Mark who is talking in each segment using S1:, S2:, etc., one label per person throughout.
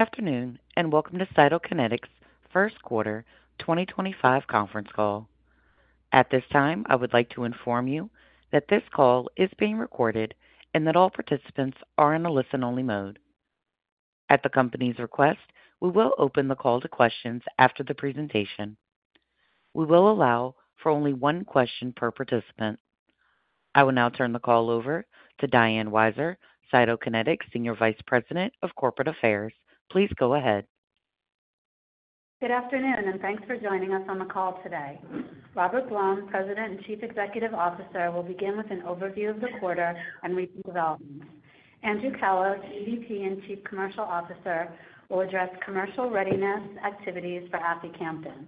S1: Afternoon, and welcome to Cytokinetics First Quarter 2025 conference call. At this time, I would like to inform you that this call is being recorded and that all participants are in a listen-only mode. At the company's request, we will open the call to questions after the presentation. We will allow for only one question per participant. I will now turn the call over to Diane Weiser, Cytokinetics Senior Vice President of Corporate Affairs. Please go ahead.
S2: Good afternoon, and thanks for joining us on the call today. Robert Blum, President and Chief Executive Officer, will begin with an overview of the quarter and recent developments. Andrew Callos, EVP and Chief Commercial Officer, will address commercial readiness activities for aficamten.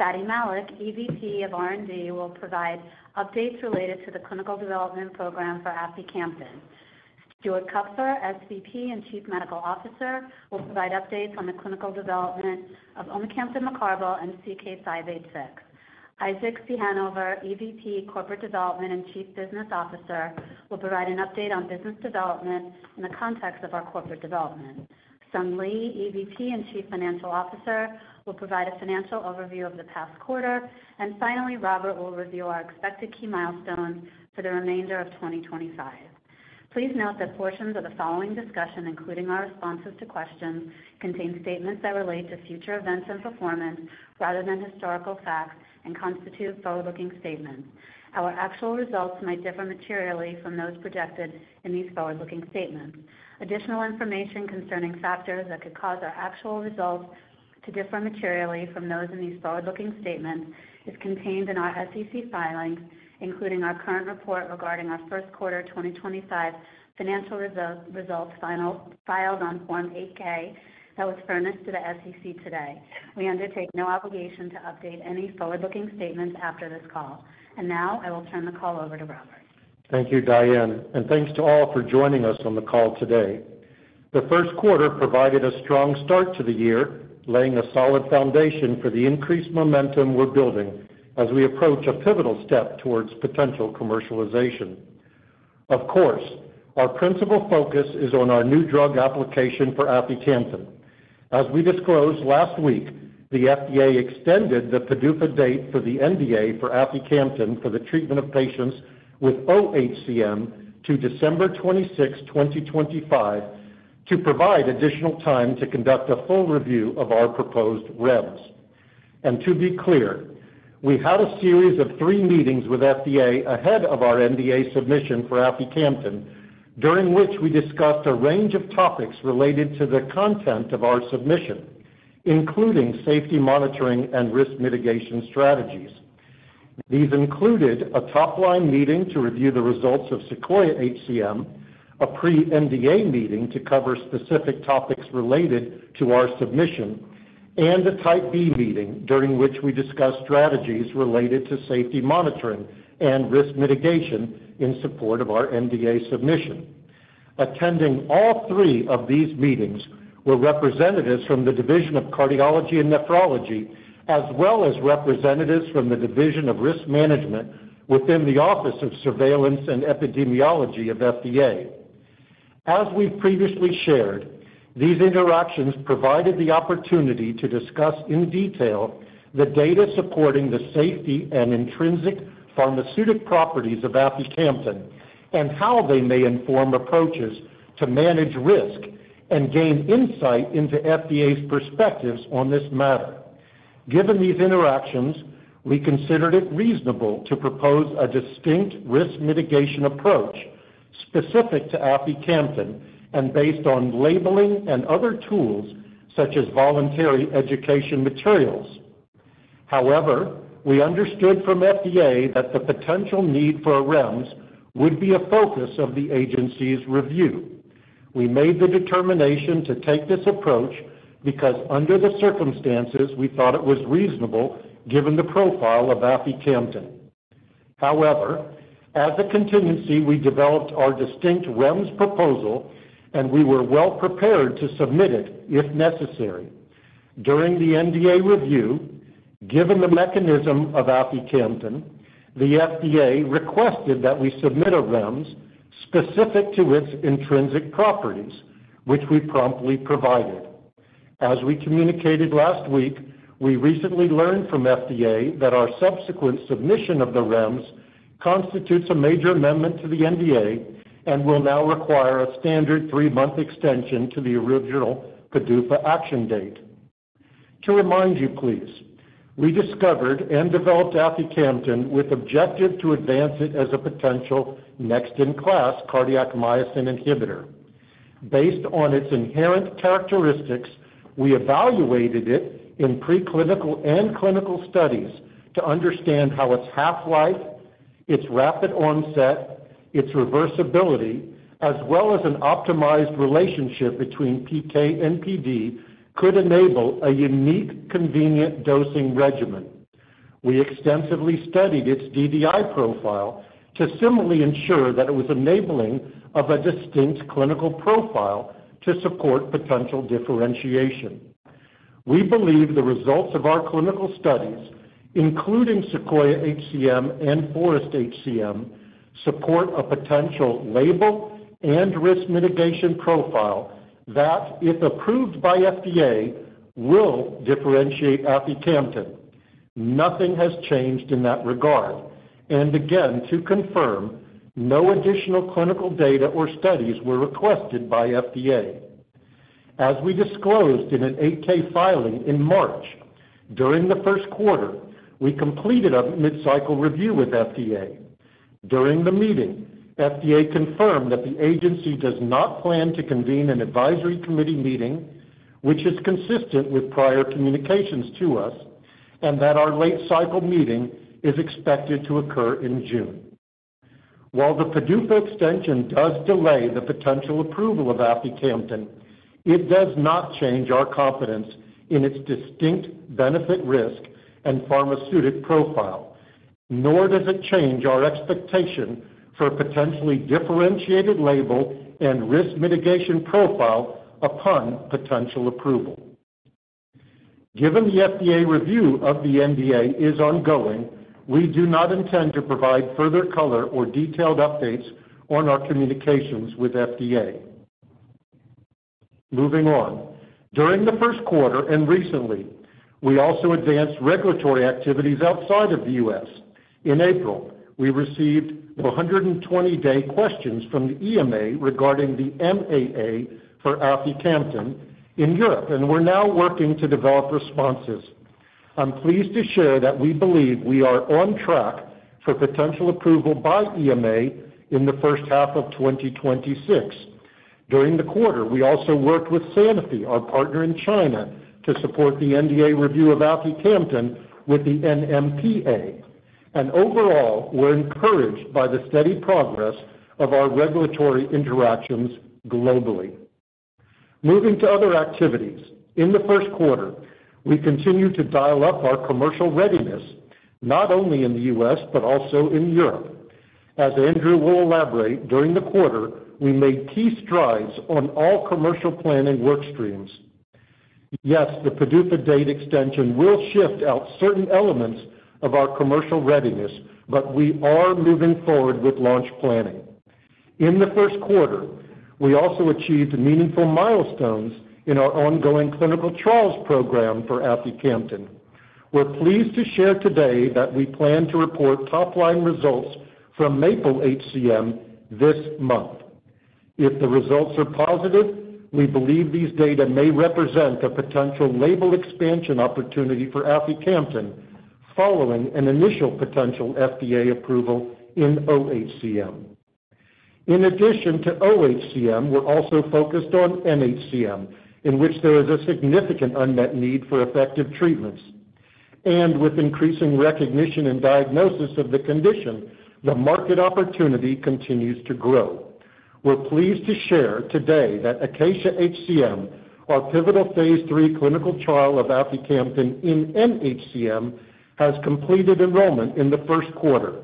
S2: Fady Malik, EVP of R&D, will provide updates related to the clinical development program for aficamten. Stuart Kupfer, SVP and Chief Medical Officer, will provide updates on the clinical development of omecamtiv mecarbil and CK-586. Isaac Ciechanover, EVP, Corporate Development and Chief Business Officer, will provide an update on business development in the context of our corporate development. Sung Lee, EVP and Chief Financial Officer, will provide a financial overview of the past quarter. Finally, Robert will review our expected key milestones for the remainder of 2025. Please note that portions of the following discussion, including our responses to questions, contain statements that relate to future events and performance rather than historical facts and constitute forward-looking statements. Our actual results might differ materially from those projected in these forward-looking statements. Additional information concerning factors that could cause our actual results to differ materially from those in these forward-looking statements is contained in our SEC-filings, including our current report regarding our first quarter 2025 financial results filed on Form 8-K that was furnished to the SEC today. We undertake no obligation to update any forward-looking statements after this call. I will turn the call over to Robert.
S3: Thank you, Diane. And thanks to all for joining us on the call today. The first quarter provided a strong start to the year, laying a solid foundation for the increased momentum we're building as we approach a pivotal step towards potential commercialization. Of course, our principal focus is on our new drug application for aficamten. As we disclosed last week, the FDA extended the PDUFA date for the NDA for aficamten for the treatment of patients with oHCM to December 26, 2025, to provide additional time to conduct a full review of our proposed REMS. To be clear, we had a series of three meetings with the FDA ahead of our NDA submission for aficamten, during which we discussed a range of topics related to the content of our submission, including safety monitoring and risk mitigation strategies. These included a top-line meeting to review the results of SEQUOIA-HCM, a pre-NDA meeting to cover specific topics related to our submission, and a Type B meeting during which we discussed strategies related to safety monitoring and risk mitigation in support of our NDA submission. Attending all three of these meetings were representatives from the Division of Cardiology and Nephrology, as well as representatives from the Division of Risk Management within the Office of Surveillance and Epidemiology of the FDA. As we've previously shared, these interactions provided the opportunity to discuss in detail the data supporting the safety and intrinsic pharmaceutic properties of aficamten and how they may inform approaches to manage risk and gain insight into the FDA's perspectives on this matter. Given these interactions, we considered it reasonable to propose a distinct risk mitigation approach specific to aficamten and based on labeling and other tools such as voluntary education materials. However, we understood from the FDA that the potential need for REMS would be a focus of the agency's review. We made the determination to take this approach because, under the circumstances, we thought it was reasonable given the profile of aficamten. However, as a contingency, we developed our distinct REMS proposal, and we were well prepared to submit it if necessary. During the NDA review, given the mechanism of aficamten, the FDA requested that we submit REMS specific to its intrinsic properties, which we promptly provided. As we communicated last week, we recently learned from the FDA that our subsequent submission of the revs constitutes a major amendment to the NDA and will now require a standard three-month extension to the original PDUFA action date. To remind you, please, we discovered and developed aficamten with the objective to advance it as a potential next-in-class cardiac myosin inhibitor. Based on its inherent characteristics, we evaluated it in preclinical and clinical studies to understand how its half-life, its rapid onset, its reversibility, as well as an optimized relationship between PK and PD could enable a unique, convenient dosing regimen. We extensively studied its DDI profile to similarly ensure that it was enabling of a distinct clinical profile to support potential differentiation. We believe the results of our clinical studies, including SEQUOIA-HCM and FOREST-HCM, support a potential label and risk mitigation profile that, if approved by the FDA, will differentiate aficamten. Nothing has changed in that regard. Again, to confirm, no additional clinical data or studies were requested by the FDA. As we disclosed in an 8-K filing in March, during the first quarter, we completed a mid-cycle review with the FDA. During the meeting, the FDA confirmed that the agency does not plan to convene an advisory committee meeting, which is consistent with prior communications to us, and that our late-cycle meeting is expected to occur in June. While the PDUFA extension does delay the potential approval of aficamten, it does not change our confidence in its distinct benefit-risk and pharmacokinetic profile, nor does it change our expectation for a potentially differentiated label and risk mitigation profile upon potential approval. Given the FDA review of the NDA is ongoing, we do not intend to provide further color or detailed updates on our communications with the FDA. Moving on, during the first quarter and recently, we also advanced regulatory activities outside of the U.S. In April, we received 120-day questions from the EMA regarding the MAA for aficamten in Europe, and we're now working to develop responses. I'm pleased to share that we believe we are on track for potential approval by the EMA in the first half of 2026. During the quarter, we also worked with Sanofi, our partner in China, to support the NDA review of aficamten with the NMPA. Overall, we're encouraged by the steady progress of our regulatory interactions globally. Moving to other activities, in the first quarter, we continue to dial up our commercial readiness, not only in the U.S. but also in Europe. As Andrew will elaborate, during the quarter, we made key strides on all commercial planning work streams. Yes, the PDUFA date extension will shift out certain elements of our commercial readiness, but we are moving forward with launch planning. In the first quarter, we also achieved meaningful milestones in our ongoing clinical trials program for aficamten. We're pleased to share today that we plan to report top-line results from MAPLE-HCM this month. If the results are positive, we believe these data may represent a potential label expansion opportunity for aficamten following an initial potential FDA approval in oHCM. In addition to oHCM, we're also focused on nHCM, in which there is a significant unmet need for effective treatments. With increasing recognition and diagnosis of the condition, the market opportunity continues to grow. We're pleased to share today that ACACIA-HCM, our pivotal phase III clinical trial of aficamten in nHCM, has completed enrollment in the first quarter,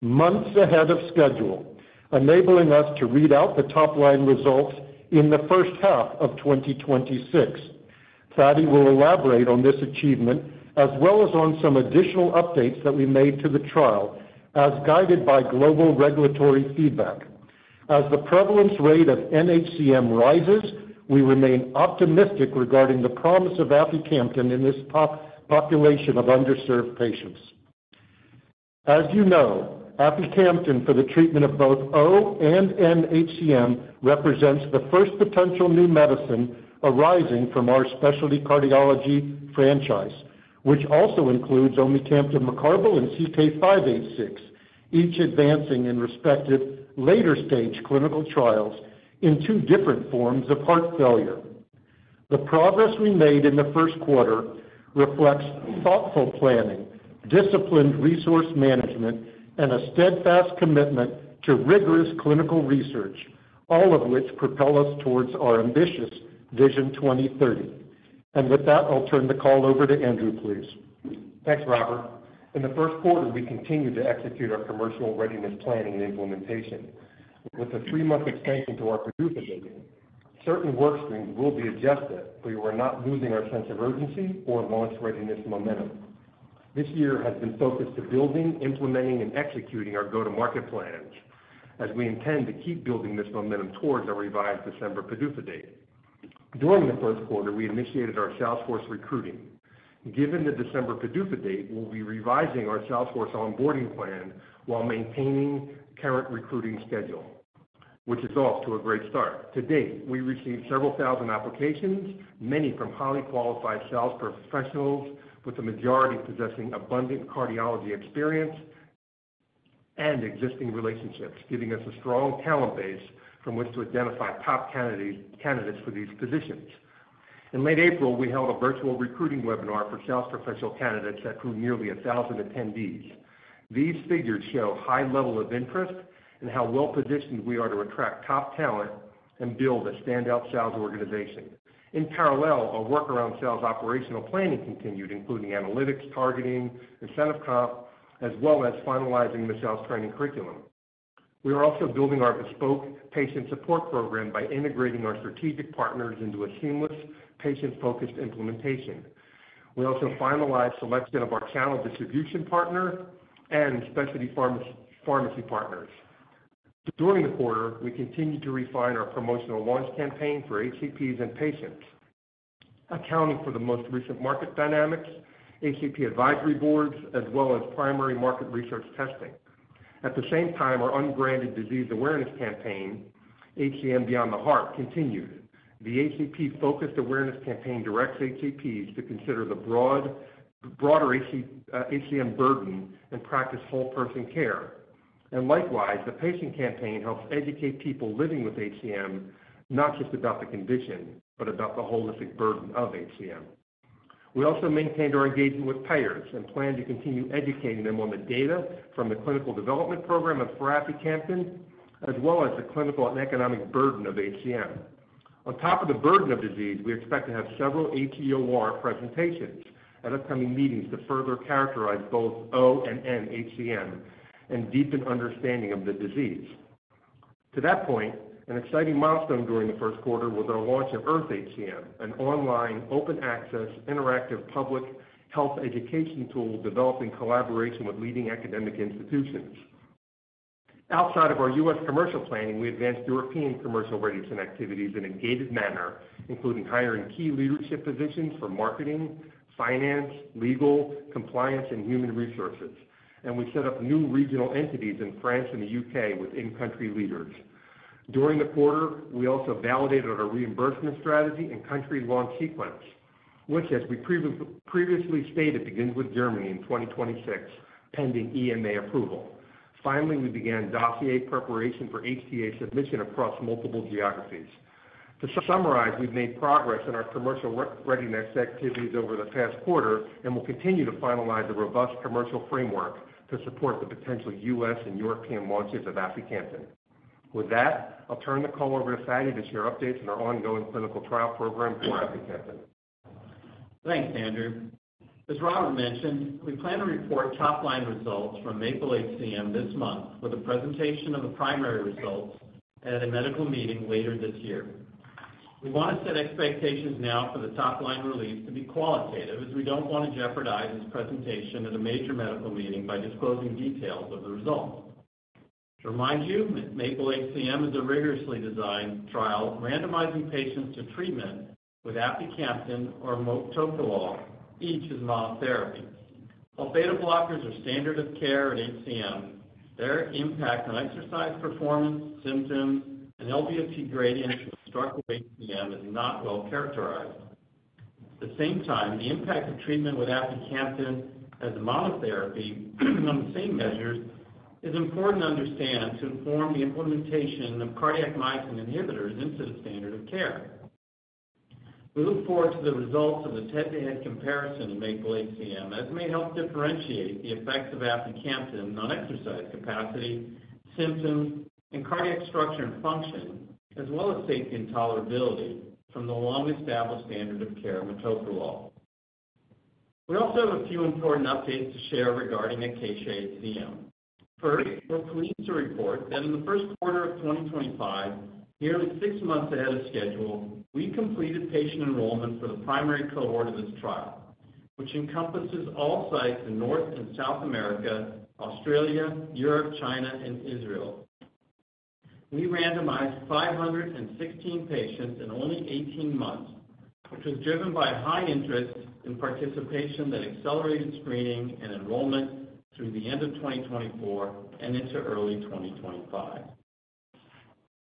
S3: months ahead of schedule, enabling us to read out the top-line results in the first half of 2026. Fady will elaborate on this achievement as well as on some additional updates that we made to the trial as guided by global regulatory feedback. As the prevalence rate of nHCM rises, we remain optimistic regarding the promise of aficamten in this population of underserved patients. As you know, aficamten for the treatment of both oHCM and nHCM represents the first potential new medicine arising from our specialty cardiology franchise, which also includes omecamtiv mecarbil and CK-586, each advancing in respective later-stage clinical trials in two different forms of heart failure. The progress we made in the first quarter reflects thoughtful planning, disciplined resource management, and a steadfast commitment to rigorous clinical research, all of which propel us towards our ambitious Vision 2030. With that, I'll turn the call over to Andrew, please.
S4: Thanks, Robert. In the first quarter, we continue to execute our commercial readiness planning and implementation. With the three-month extension to our PDUFA date, certain work streams will be adjusted, but we're not losing our sense of urgency or launch readiness momentum. This year has been focused on building, implementing, and executing our go-to-market plan, as we intend to keep building this momentum towards our revised December PDUFA date. During the first quarter, we initiated our salesforce recruiting. Given the December PDUFA date, we'll be revising our salesforce onboarding plan while maintaining the current recruiting schedule, which is off to a great start. To date, we received several thousand applications, many from highly qualified sales professionals, with the majority possessing abundant cardiology experience and existing relationships, giving us a strong talent base from which to identify top candidates for these positions. In late April, we held a virtual recruiting webinar for sales professional candidates that grew nearly 1,000 attendees. These figures show a high level of interest in how well-positioned we are to attract top talent and build a standout sales organization. In parallel, our work around sales operational planning continued, including analytics, targeting, incentive comp, as well as finalizing the sales training curriculum. We are also building our bespoke patient support program by integrating our strategic partners into a seamless patient-focused implementation. We also finalized the selection of our channel distribution partner and specialty pharmacy partners. During the quarter, we continued to refine our promotional launch campaign for HCPs and patients, accounting for the most recent market dynamics, HCP advisory boards, as well as primary market research testing. At the same time, our unbranded disease awareness campaign, HCM Beyond the Heart, continued. The HCP-focused awareness campaign directs HCPs to consider the broader HCM burden and practice whole-person care. Likewise, the patient campaign helps educate people living with HCM not just about the condition but about the holistic burden of HCM. We also maintained our engagement with payers and plan to continue educating them on the data from the clinical development program for aficamten, as well as the clinical and economic burden of HCM. On top of the burden of disease, we expect to have several HEOR presentations at upcoming meetings to further characterize both oHCM and nHCM and deepen understanding of the disease. To that point, an exciting milestone during the first quarter was our launch of EARTH-HCM, an online open-access interactive public health education tool developed in collaboration with leading academic institutions. Outside of our U.S. Commercial planning, we advanced European commercial readiness activities in a gated manner, including hiring key leadership positions for marketing, finance, legal, compliance, and human resources. We set up new regional entities in France and the U.K. with in-country leaders. During the quarter, we also validated our reimbursement strategy and country launch sequence, which, as we previously stated, begins with Germany in 2026, pending EMA approval. Finally, we began dossier preparation for HTA submission across multiple geographies. To summarize, we've made progress in our commercial readiness activities over the past quarter and will continue to finalize a robust commercial framework to support the potential U.S. and European launches of aficamten. With that, I'll turn the call over to Fady to share updates on our ongoing clinical trial program for aficamten.
S5: Thanks, Andrew. As Robert mentioned, we plan to report top-line results from MAPLE-HCM this month with a presentation of the primary results at a medical meeting later this year. We want to set expectations now for the top-line release to be qualitative, as we do not want to jeopardize this presentation at a major medical meeting by disclosing details of the results. To remind you, MAPLE-HCM is a rigorously designed trial randomizing patients to treatment with aficamten or metoprolol, each as monotherapy. While beta blockers are standard of care at HCM, their impact on exercise performance, symptoms, and LVOT Gradients for structural HCM is not well characterized. At the same time, the impact of treatment with aficamten as a monotherapy on the same measures is important to understand to inform the implementation of cardiac myosin inhibitors into the standard of care. We look forward to the results of the head-to-head comparison in MAPLE-HCM, as it may help differentiate the effects of aficamten on exercise capacity, symptoms, and cardiac structure and function, as well as safety and tolerability from the long-established standard of care metoprolol. We also have a few important updates to share regarding ACACIA-HCM. First, we're pleased to report that in the first quarter of 2025, nearly six months ahead of schedule, we completed patient enrollment for the primary cohort of this trial, which encompasses all sites in North and South America, Australia, Europe, China, and Israel. We randomized 516 patients in only 18 months, which was driven by high interest in participation that accelerated screening and enrollment through the end of 2024 and into early 2025.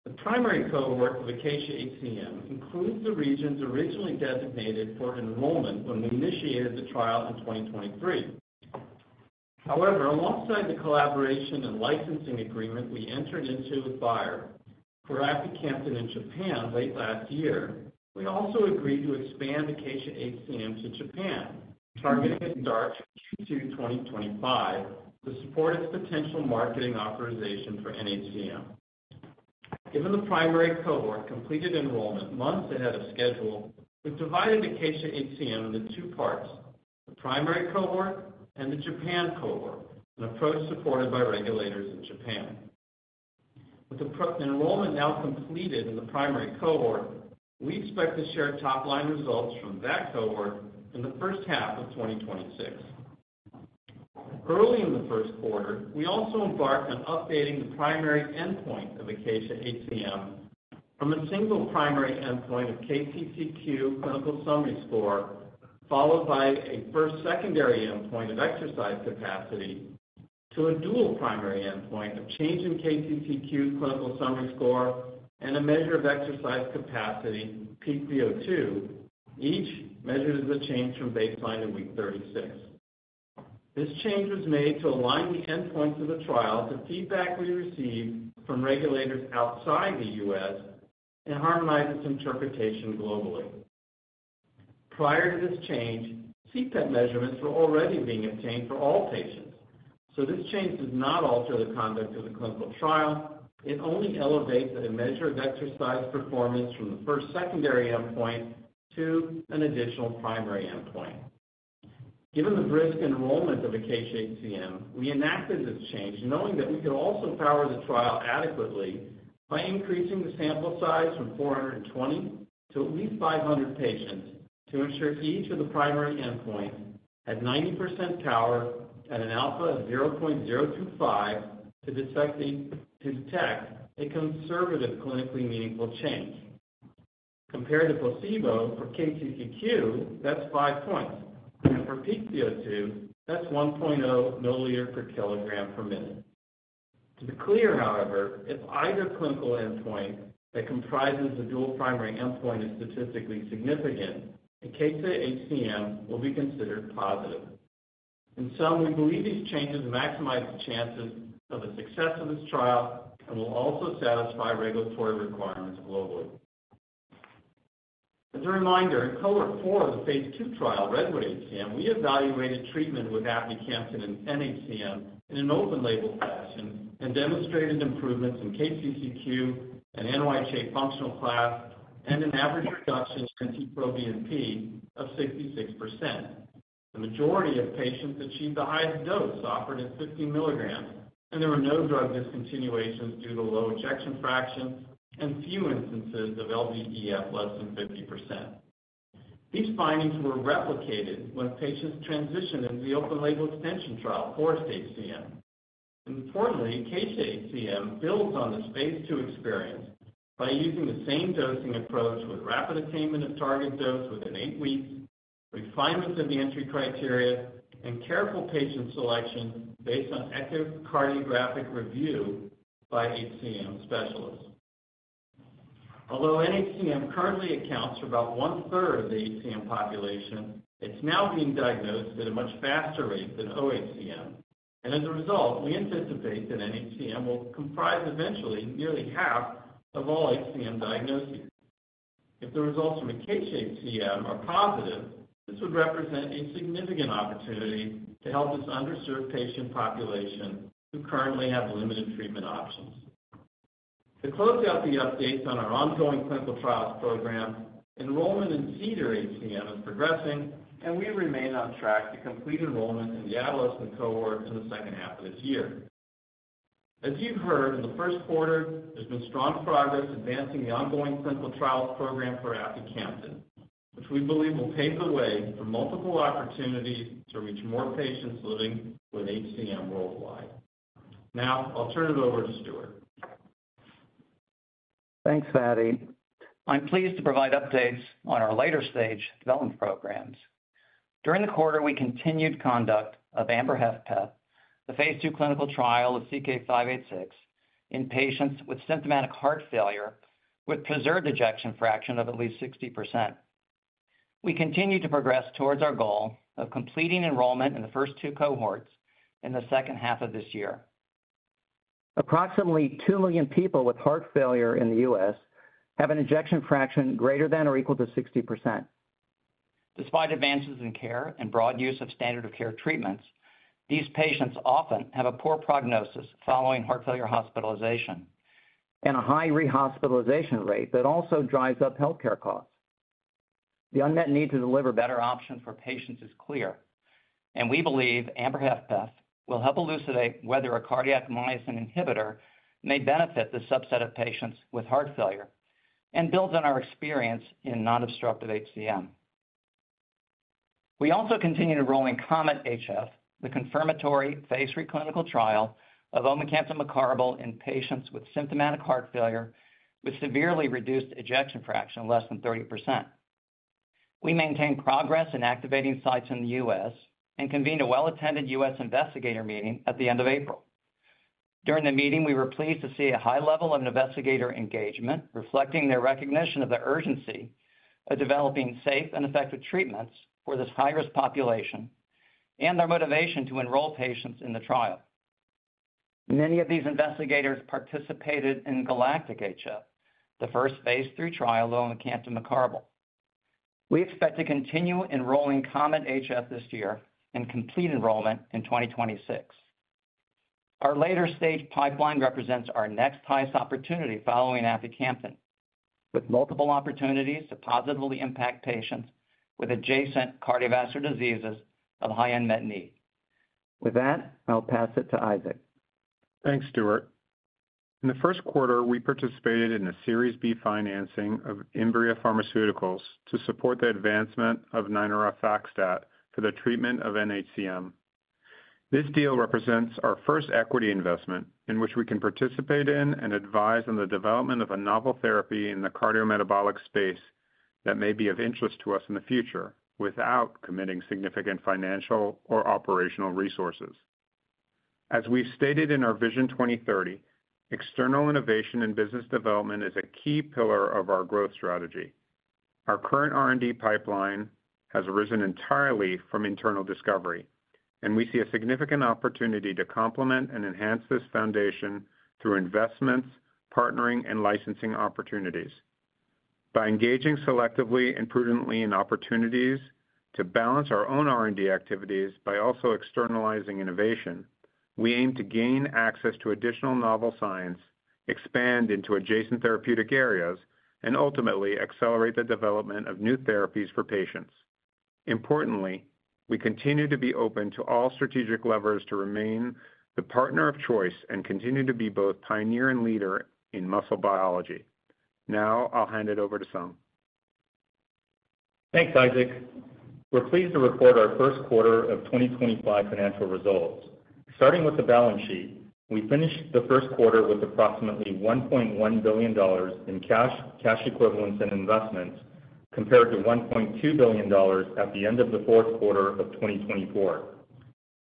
S5: The primary cohort of ACACIA-HCM includes the regions originally designated for enrollment when we initiated the trial in 2023. However, alongside the collaboration and licensing agreement we entered into with Bayer, for aficamten in Japan late last year, we also agreed to expand ACACIA-HCM to Japan, targeting its DART Q2 2025 to support its potential marketing authorization for nHCM. Given the primary cohort completed enrollment months ahead of schedule, we've divided ACACIA-HCM into two parts: the primary cohort and the Japan cohort, an approach supported by regulators in Japan. With enrollment now completed in the primary cohort, we expect to share top-line results from that cohort in the first half of 2026. Early in the first quarter, we also embarked on updating the primary endpoint of ACACIA-HCM from a single primary endpoint of KCCQ clinical summary score, followed by a first secondary endpoint of exercise capacity, to a dual primary endpoint of change in KCCQ clinical summary score and a measure of exercise capacity, pVO2, each measured as a change from baseline in week 36. This change was made to align the endpoints of the trial to feedback we received from regulators outside the U.S. and harmonize its interpretation globally. Prior to this change, CPET measurements were already being obtained for all patients, so this change does not alter the conduct of the clinical trial. It only elevates a measure of exercise performance from the first secondary endpoint to an additional primary endpoint. Given the brisk enrollment of ACACIA-HCM, we enacted this change knowing that we could also power the trial adequately by increasing the sample size from 420 to at least 500 patients to ensure each of the primary endpoints had 90% power at an alpha of 0.025 to detect a conservative clinically meaningful change. Compared to placebo for KCCQ, that's five points. For pVO2, that's 1.0 milliliter per kilogram per minute. To be clear, however, if either clinical endpoint that comprises the dual primary endpoint is statistically significant, ACACIA-HCM will be considered positive. In sum, we believe these changes maximize the chances of the success of this trial and will also satisfy regulatory requirements globally. As a reminder, in cohort four of the phase II trial, REDWOOD-HCM, we evaluated treatment with aficamten in nNHCM in an open-label fashion and demonstrated improvements in KCCQ and NYHA functional class and an average reduction in NT-proBNP of 66%. The majority of patients achieved the highest dose offered at 50 mg, and there were no drug discontinuations due to low ejection fraction and few instances of LVEF less than 50%. These findings were replicated when patients transitioned into the open-label extension trial, FOREST-HCM. Importantly, ACACIA-HCM builds on the phase II experience by using the same dosing approach with rapid attainment of target dose within eight weeks, refinement of the entry criteria, and careful patient selection based on echocardiographic review by HCM specialists. Although nHCM currently accounts for about one-third of the HCM population, it's now being diagnosed at a much faster rate than oHCM. As a result, we anticipate that nHCM will comprise eventually nearly half of all HCM diagnoses. If the results from ACACIA-HCM are positive, this would represent a significant opportunity to help this underserved patient population who currently have limited treatment options. To close out the updates on our ongoing clinical trials program, enrollment in CEDAR-HCM is progressing, and we remain on track to complete enrollment in the Adolescent cohort in the second half of this year. As you've heard, in the first quarter, there's been strong progress advancing the ongoing clinical trials program for aficamten, which we believe will pave the way for multiple opportunities to reach more patients living with HCM worldwide. Now, I'll turn it over to Stuart.
S6: Thanks, Fady. I'm pleased to provide updates on our later-stage development programs. During the quarter, we continued conduct of Amber-HFpEF, the phase II clinical trial of CK-586 in patients with symptomatic heart failure with preserved ejection fraction of at least 60%. We continue to progress towards our goal of completing enrollment in the first two cohorts in the second half of this year. Approximately 2 million people with heart failure in the U.S. have an ejection fraction greater than or equal to 60%. Despite advances in care and broad use of standard of care treatments, these patients often have a poor prognosis following heart failure hospitalization and a high re-hospitalization rate that also drives up healthcare costs. The unmet need to deliver better options for patients is clear, and we believe Amber-HFpEF will help elucidate whether a cardiac myosin inhibitor may benefit the subset of patients with heart failure and builds on our experience in non-obstructive HCM. We also continue enrolling COMET-HF, the confirmatory phase III clinical trial of omecamtiv mecarbil in patients with symptomatic heart failure with severely reduced ejection fraction of less than 30%. We maintain progress in activating sites in the U.S. and convened a well-attended U.S. investigator meeting at the end of April. During the meeting, we were pleased to see a high level of investigator engagement reflecting their recognition of the urgency of developing safe and effective treatments for this high-risk population and their motivation to enroll patients in the trial. Many of these investigators participated in GALACTIC-HF, the first phase III trial of omecamtiv mecarbil. We expect to continue enrolling COMET-HF this year and complete enrollment in 2026. Our later-stage pipeline represents our next highest opportunity following aficamten, with multiple opportunities to positively impact patients with adjacent cardiovascular diseases of high unmet need. With that, I'll pass it to Isaac.
S7: Thanks, Stuart. In the first quarter, we participated in a Series B financing of Embryo Pharmaceuticals to support the advancement of Ninoraf Foxstat for the treatment of nHCM. This deal represents our first equity investment in which we can participate in and advise on the development of a novel therapy in the cardiometabolic space that may be of interest to us in the future without committing significant financial or operational resources. As we've stated in our Vision 2030, external innovation and business development is a key pillar of our growth strategy. Our current R&D pipeline has arisen entirely from internal discovery, and we see a significant opportunity to complement and enhance this foundation through investments, partnering, and licensing opportunities. By engaging selectively and prudently in opportunities to balance our own R&D activities by also externalizing innovation, we aim to gain access to additional novel science, expand into adjacent therapeutic areas, and ultimately accelerate the development of new therapies for patients. Importantly, we continue to be open to all strategic levers to remain the partner of choice and continue to be both pioneer and leader in muscle biology. Now, I'll hand it over to Sung.
S8: Thanks, Isaac. We're pleased to report our first quarter of 2025 financial results. Starting with the balance sheet, we finished the first quarter with approximately $1.1 billion in cash, cash equivalents, and investments compared to $1.2 billion at the end of the fourth quarter of 2024.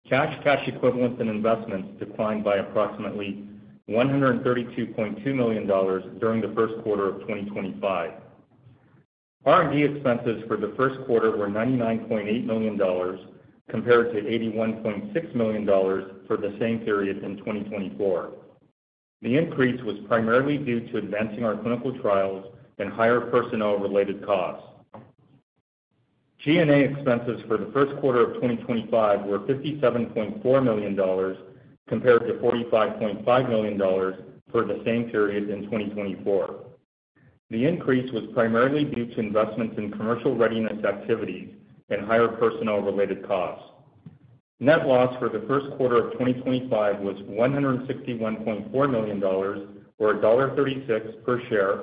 S8: Cash, cash equivalents, and investments declined by approximately $132.2 million during the first quarter of 2025. R&D expenses for the first quarter were $99.8 million compared to $81.6 million for the same period in 2024. The increase was primarily due to advancing our clinical trials and higher personnel-related costs. G&A expenses for the first quarter of 2025 were $57.4 million compared to $45.5 million for the same period in 2024. The increase was primarily due to investments in commercial readiness activities and higher personnel-related costs. Net loss for the first quarter of 2025 was $161.4 million, or $1.36 per share,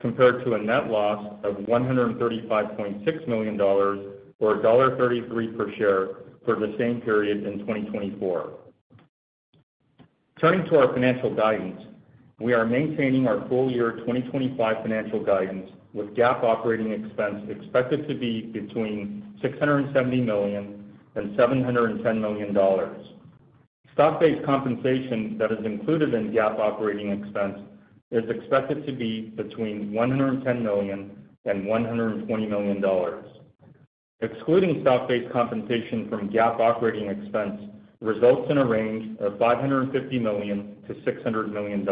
S8: compared to a net loss of $135.6 million, or $1.33 per share for the same period in 2024. Turning to our financial guidance, we are maintaining our full-year 2025 financial guidance with GAAP operating expense expected to be between $670 million and $710 million. Stock-based compensation that is included in GAAP operating expense is expected to be between $110 million and $120 million. Excluding stock-based compensation from GAAP operating expense results in a range of $550 million-$600 million.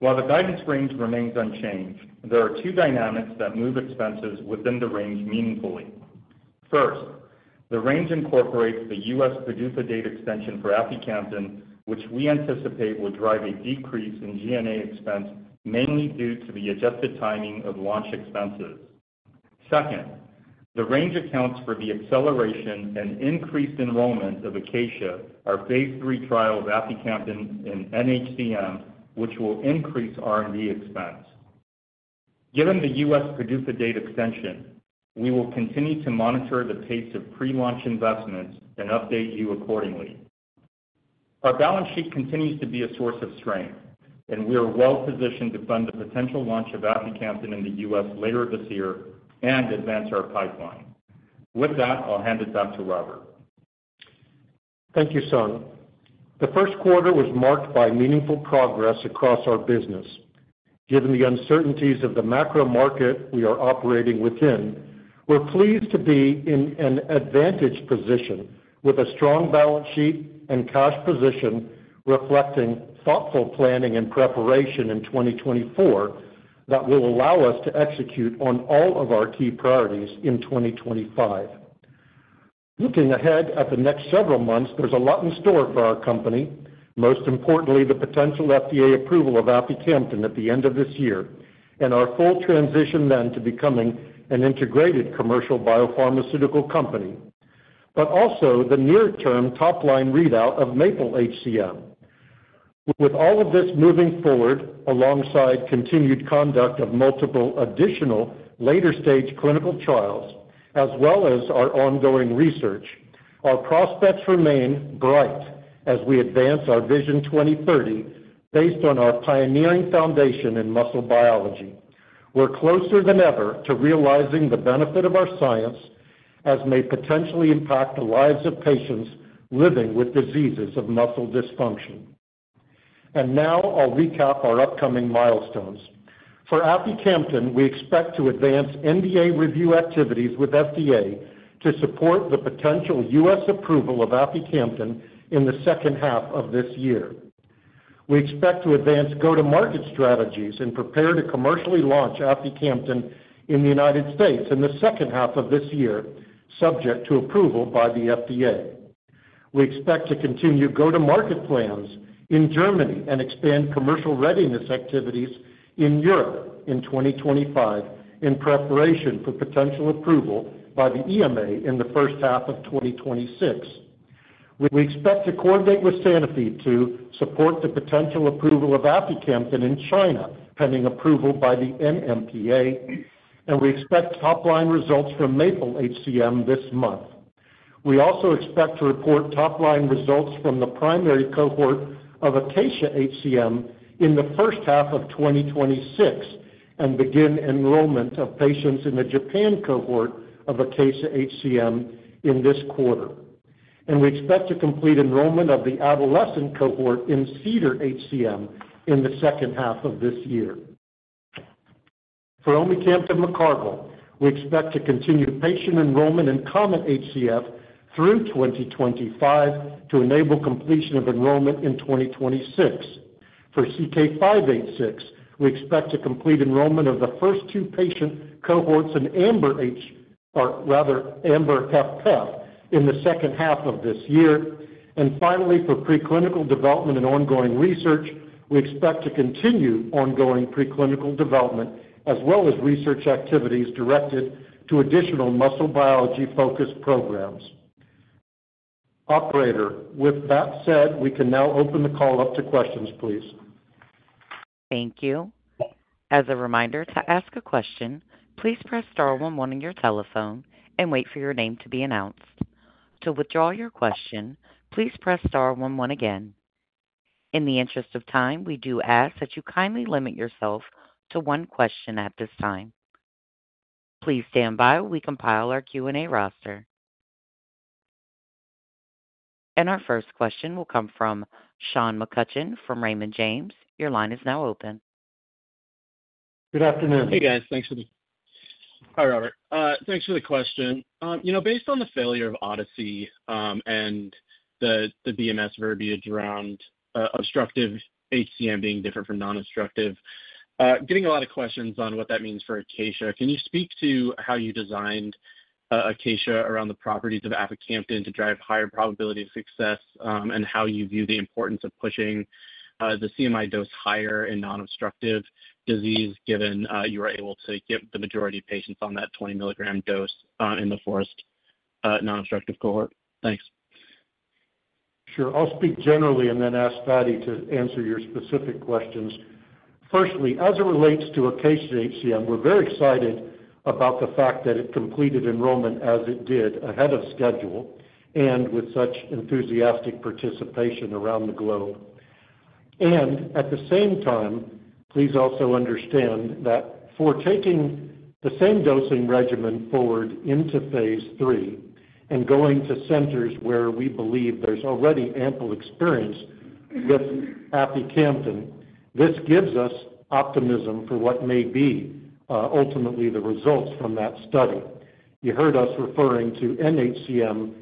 S8: While the guidance range remains unchanged, there are two dynamics that move expenses within the range meaningfully. First, the range incorporates the U.S. PDUFA date extension for aficamten, which we anticipate will drive a decrease in G&A expense mainly due to the adjusted timing of launch expenses. Second, the range accounts for the acceleration and increased enrollment of ACACIA, our phase III trials of aficamten in nHCM, which will increase R&D expense. Given the U.S. PDUFA date extension, we will continue to monitor the pace of pre-launch investments and update you accordingly. Our balance sheet continues to be a source of strength, and we are well-positioned to fund the potential launch of aficamten in the U.S. later this year and advance our pipeline. With that, I'll hand it back to Robert.
S3: Thank you, Sung. The first quarter was marked by meaningful progress across our business. Given the uncertainties of the macro market we are operating within, we're pleased to be in an advantaged position with a strong balance sheet and cash position reflecting thoughtful planning and preparation in 2024 that will allow us to execute on all of our key priorities in 2025. Looking ahead at the next several months, there's a lot in store for our company, most importantly the potential FDA approval of aficamten at the end of this year and our full transition then to becoming an integrated commercial biopharmaceutical company, but also the near-term top-line readout of MABLE-HCM. With all of this moving forward alongside continued conduct of multiple additional later-stage clinical trials, as well as our ongoing research, our prospects remain bright as we advance our Vision 2030 based on our pioneering foundation in muscle biology. We're closer than ever to realizing the benefit of our science as may potentially impact the lives of patients living with diseases of muscle dysfunction. Now, I'll recap our upcoming milestones. For aficamten, we expect to advance NDA review activities with FDA to support the potential U.S. approval of aficamten in the second half of this year. We expect to advance go-to-market strategies and prepare to commercially launch Aficamten in the United States in the second half of this year, subject to approval by the FDA. We expect to continue go-to-market plans in Germany and expand commercial readiness activities in Europe in 2025 in preparation for potential approval by the EMA in the first half of 2026. We expect to coordinate with Sanofi to support the potential approval of aficamten in China pending approval by the NMPA, and we expect top-line results from MAPLE-HCM this month. We also expect to report top-line results from the primary cohort of ACACIA-HCM in the first half of 2026 and begin enrollment of patients in the Japan cohort of ACACIA-HCM in this quarter. We expect to complete enrollment of the adolescent cohort in CEDAR-HCM in the second half of this year. For omecamtiv mecarbil, we expect to continue patient enrollment in COMET-HF through 2025 to enable completion of enrollment in 2026. For CK-586, we expect to complete enrollment of the first two patient cohorts in Amber-HFpEF in the second half of this year. Finally, for preclinical development and ongoing research, we expect to continue ongoing preclinical development as well as research activities directed to additional muscle biology-focused programs. Operator, with that said, we can now open the call up to questions, please.
S1: Thank you. As a reminder, to ask a question, please press star 11 on your telephone and wait for your name to be announced. To withdraw your question, please press star 11 again. In the interest of time, we do ask that you kindly limit yourself to one question at this time. Please stand by while we compile our Q&A roster. Our first question will come from Sean McCutcheon from Raymond James. Your line is now open.
S9: Good afternoon. Hey, guys. Thanks for the—Hi, Robert. Thanks for the question. You know, based on the failure of Odyssey and the BMS verbiage around obstructive HCM being different from non-obstructive, getting a lot of questions on what that means for ACACIA. Can you speak to how you designed ACACIA around the properties of aficamten to drive higher probability of success and how you view the importance of pushing the CMI dose higher in non-obstructive disease given you were able to get the majority of patients on that 20 mg dose in the first non-obstructive cohort? Thanks.
S3: Sure. I'll speak generally and then ask Fady to answer your specific questions. Firstly, as it relates to ACACIA-HCM, we're very excited about the fact that it completed enrollment as it did ahead of schedule and with such enthusiastic participation around the globe. At the same time, please also understand that for taking the same dosing regimen forward into phase III and going to centers where we believe there's already ample experience with aficamten, this gives us optimism for what may be ultimately the results from that study. You heard us referring to nHCM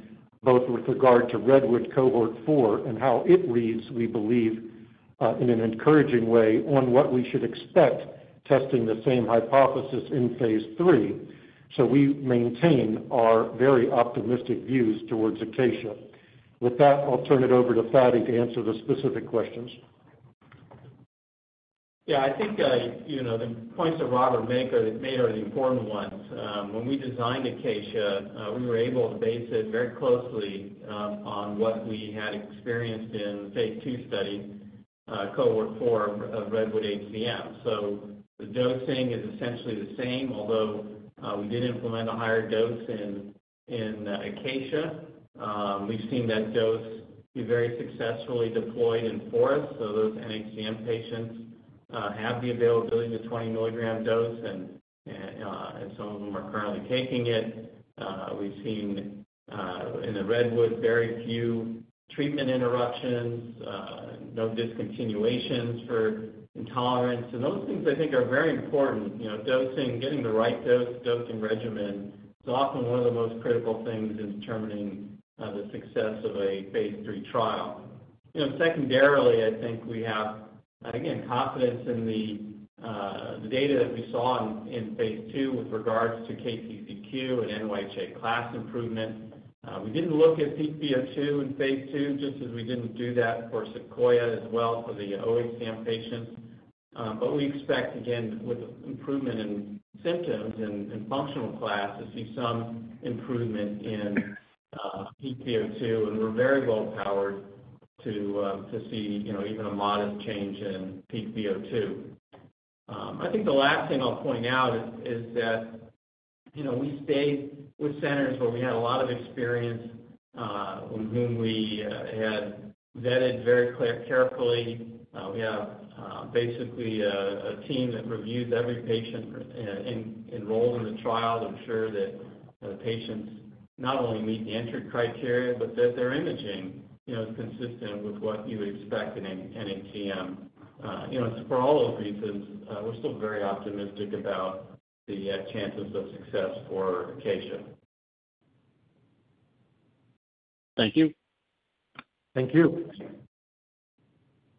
S3: both with regard to REDWOOD cohort four and how it leads, we believe, in an encouraging way on what we should expect testing the same hypothesis in phase III. We maintain our very optimistic views towards ACACIA. With that, I'll turn it over to Fady to answer the specific questions.
S5: Yeah, I think the points that Robert made are the important ones. When we designed ACACIA, we were able to base it very closely on what we had experienced in phase II study, cohort four of REDWOOD-HCM. So the dosing is essentially the same, although we did implement a higher dose in ACACIA. We've seen that dose be very successfully deployed in FOREST-HCM. So those nHCM patients have the availability of the 20-milligram dose, and some of them are currently taking it. We've seen in the REDWOOD very few treatment interruptions, no discontinuations for intolerance. And those things I think are very important. Dosing, getting the right dose, dosing regimen is often one of the most critical things in determining the success of a phase III trial. Secondarily, I think we have, again, confidence in the data that we saw in phase II with regards to KCCQ and NYHA class improvement. We did not look at pVO2 in phase II just as we did not do that for SEQUOIA as well for the oHCM patients. We expect, again, with improvement in symptoms and functional class, to see some improvement in pVO2. We are very well-powered to see even a modest change in pVO2. I think the last thing I will point out is that we stayed with centers where we had a lot of experience with whom we had vetted very carefully. We have basically a team that reviews every patient enrolled in the trial to ensure that the patients not only meet the entry criteria, but that their imaging is consistent with what you would expect in nHCM. For all those reasons, we're still very optimistic about the chances of success for ACACIA-HCM.
S3: Thank you.
S9: Thank you.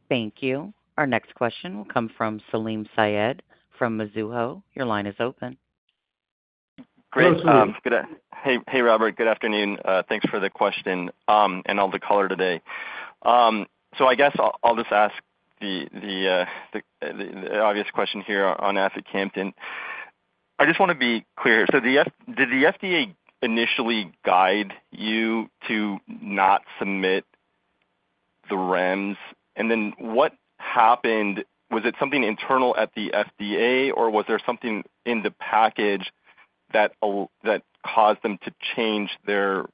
S1: Thank you. Our next question will come from Salim Syed from Mizuho. Your line is open.
S10: Hey, Robert. Good afternoon. Thanks for the question and all the color today. I guess I'll just ask the obvious question here on aficamten. I just want to be clear. Did the FDA initially guide you to not submit the REMS? What happened? Was it something internal at the FDA, or was there something in the package that caused them to change their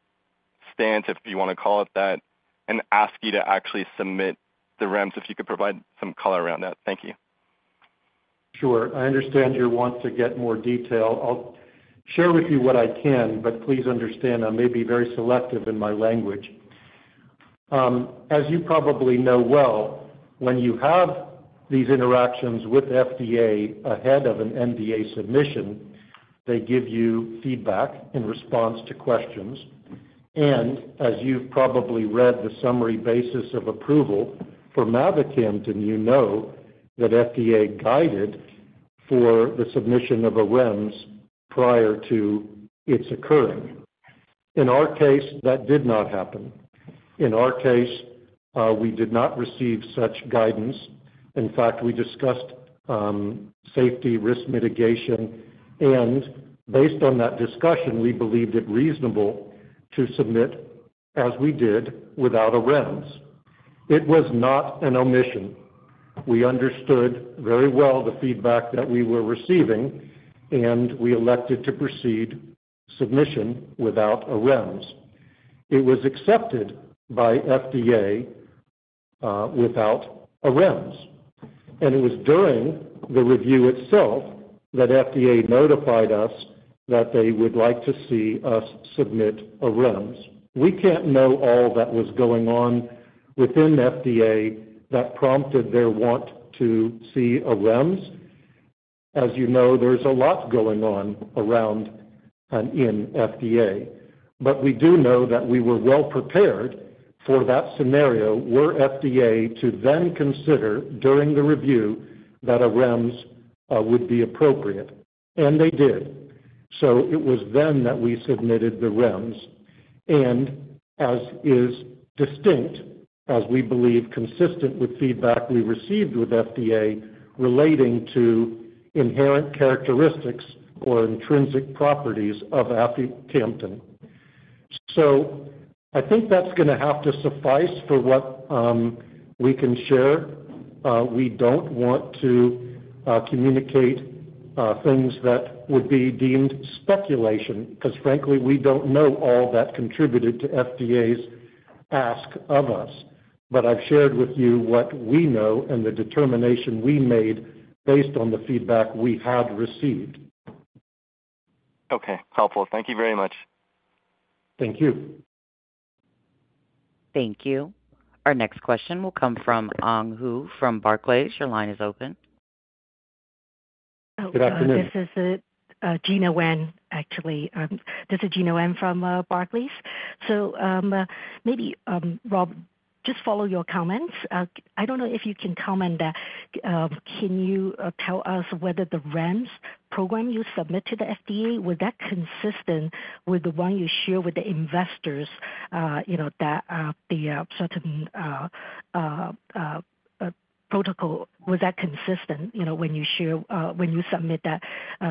S10: stance, if you want to call it that, and ask you to actually submit the REMS? If you could provide some color around that. Thank you.
S3: Sure. I understand your want to get more detail. I'll share with you what I can, but please understand I may be very selective in my language. As you probably know well, when you have these interactions with FDA ahead of an NDA submission, they give you feedback in response to questions. As you've probably read the summary basis of approval for mavacamten, and you know that FDA guided for the submission of a REMS prior to its occurring. In our case, that did not happen. In our case, we did not receive such guidance. In fact, we discussed safety, risk mitigation, and based on that discussion, we believed it reasonable to submit as we did without a REMS. It was not an omission. We understood very well the feedback that we were receiving, and we elected to proceed submission without a REMS. It was accepted by FDA without a REMS. It was during the review itself that FDA notified us that they would like to see us submit a REMS. We can't know all that was going on within FDA that prompted their want to see a REMS. As you know, there's a lot going on around and in FDA. We do know that we were well-prepared for that scenario where FDA to then consider during the review that a REMS would be appropriate. They did. It was then that we submitted the REMS. As is distinct, as we believe consistent with feedback we received with FDA relating to inherent characteristics or intrinsic properties of aficamten. I think that's going to have to suffice for what we can share. We do not want to communicate things that would be deemed speculation because, frankly, we do not know all that contributed to FDA's ask of us. I have shared with you what we know and the determination we made based on the feedback we had received.
S10: Okay. Helpful. Thank you very much.
S3: Thank you.
S1: Thank you. Our next question will come from Hang Hu from Barclays. Your line is open.
S11: Good afternoon. This is Gina Wen, actually. This is Gina Wen from Barclays. Maybe, Rob, just following your comments, I do not know if you can comment, but can you tell us whether the REMS program you submitted to the FDA, was that consistent with the one you shared with the investors, that certain protocol, was that consistent when you shared, when you submitted that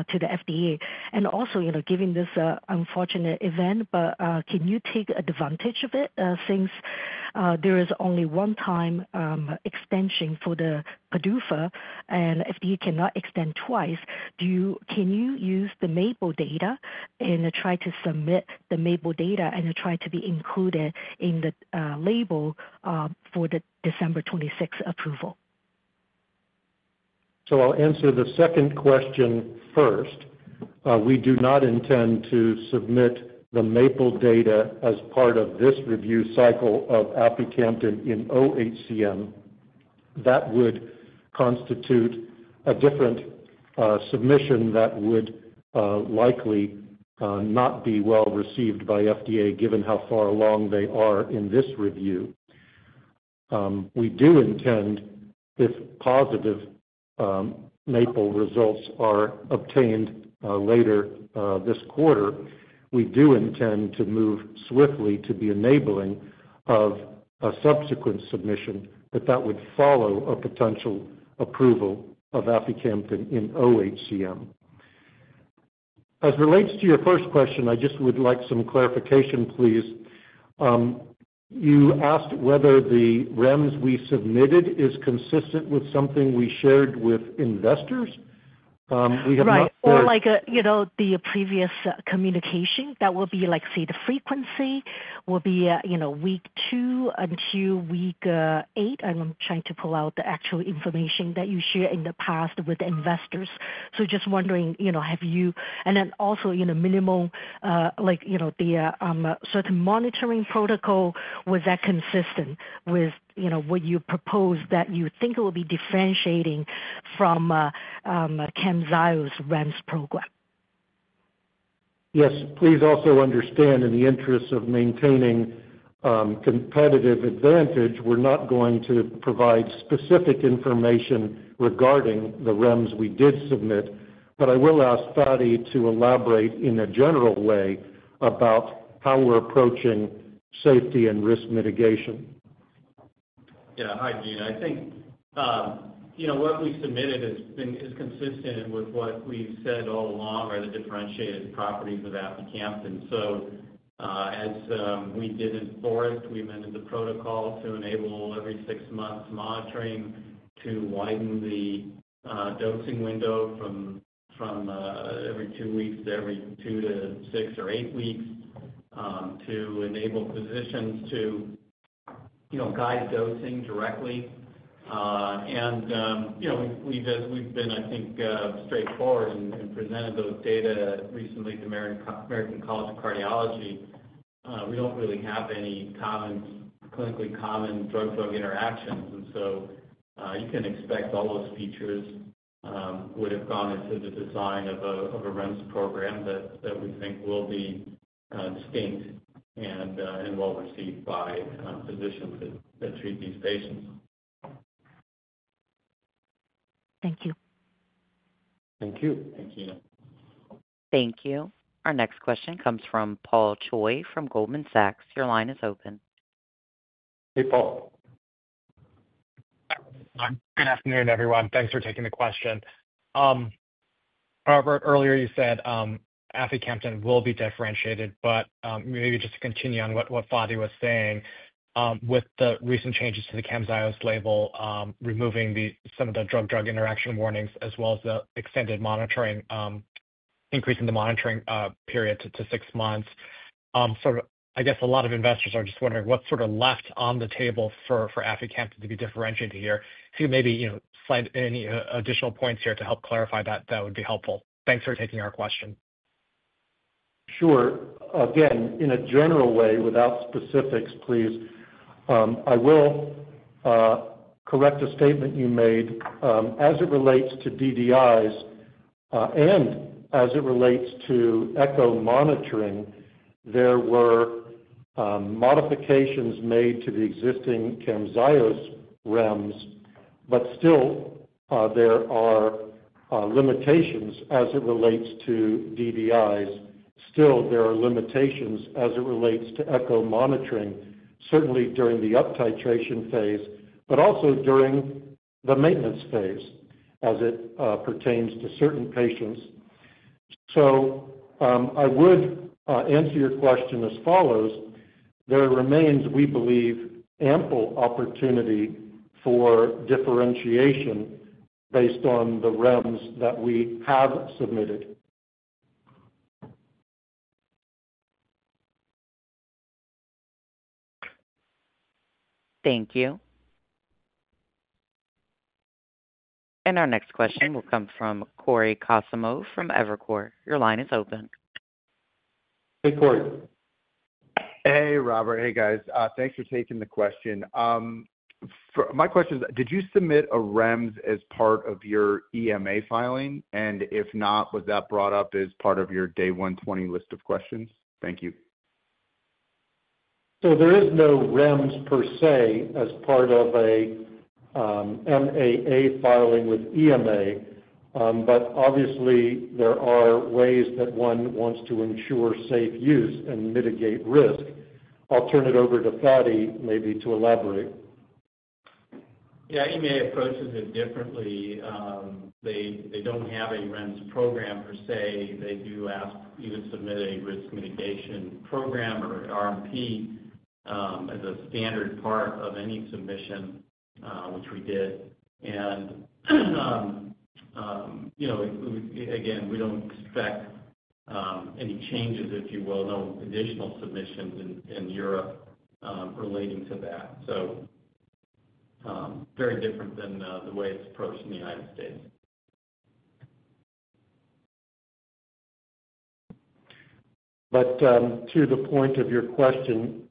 S11: to the FDA? Also, given this unfortunate event, can you take advantage of it since there is only a one-time extension for the PDUFA and FDA cannot extend twice? Can you use the MAPLE data and try to submit the MAPLE data and try to be included in the label for the December 26 approval?
S3: I'll answer the second question first. We do not intend to submit the MAPLE data as part of this review cycle of AFI Campus in oHCM. That would constitute a different submission that would likely not be well-received by FDA given how far along they are in this review. We do intend, if positive MAPLE results are obtained later this quarter, to move swiftly to the enabling of a subsequent submission that would follow a potential approval of AFI Campus in oHCM. As it relates to your first question, I just would like some clarification, please. You asked whether the REMS we submitted is consistent with something we shared with investors. We have not.
S11: Right. Or like the previous communication that will be like, say, the frequency will be week two until week eight. I'm trying to pull out the actual information that you shared in the past with investors. Just wondering, have you and then also minimal, like the certain monitoring protocol, was that consistent with what you proposed that you think it will be differentiating from CAMZYOS's REMS program?
S3: Yes. Please also understand in the interest of maintaining competitive advantage, we're not going to provide specific information regarding the REMS we did submit. I will ask Fady to elaborate in a general way about how we're approaching safety and risk mitigation.
S5: Yeah. Hi, Gina. I think what we submitted is consistent with what we've said all along are the differentiated properties of aficamten. As we did in FOREST-HCM, we amended the protocol to enable every six-month monitoring to widen the dosing window from every two weeks to every two to six or eight weeks to enable physicians to guide dosing directly. We've been, I think, straightforward and presented those data recently to American College of Cardiology. We don't really have any clinically common drug-drug interactions. You can expect all those features would have gone into the design of a REMS program that we think will be distinct and well-received by physicians that treat these patients.
S11: Thank you.
S3: Thank you.
S5: Thank you.
S1: Thank you. Our next question comes from Paul Choi from Goldman Sachs. Your line is open.
S3: Hey, Paul.
S12: Good afternoon, everyone. Thanks for taking the question. Robert, earlier you said aficamten will be differentiated, but maybe just to continue on what Fady was saying, with the recent changes to the label, removing some of the drug-drug interaction warnings as well as the extended monitoring, increasing the monitoring period to six months. I guess a lot of investors are just wondering what's sort of left on the table for aficamten to be differentiated here. If you maybe slide any additional points here to help clarify that, that would be helpful. Thanks for taking our question.
S3: Sure. Again, in a general way, without specifics, please, I will correct a statement you made. As it relates to DDIs and as it relates to echo monitoring, there were modifications made to the existing CAMZYOS REMS, but still there are limitations as it relates to DDIs. Still, there are limitations as it relates to echo monitoring, certainly during the up-titration phase, but also during the maintenance phase as it pertains to certain patients. I would answer your question as follows. There remains, we believe, ample opportunity for differentiation based on the REMS that we have submitted.
S1: Thank you. Our next question will come from Cory Kasimov from Evercore. Your line is open.
S3: Hey, Cory.
S13: Hey, Robert. Hey, guys. Thanks for taking the question. My question is, did you submit a REMS as part of your EMA filing? If not, was that brought up as part of your day 120 list of questions? Thank you.
S3: There is no REMS per se as part of an MAA filing with EMA, but obviously, there are ways that one wants to ensure safe use and mitigate risk. I'll turn it over to Fady maybe to elaborate.
S5: Yeah. EMA approaches it differently. They do not have a REMS program per se. They do ask you to submit a risk mitigation program or RMP as a standard part of any submission, which we did. Again, we do not expect any changes, if you will, no additional submissions in Europe relating to that. Very different than the way it is approached in the United States.
S3: To the point of your question,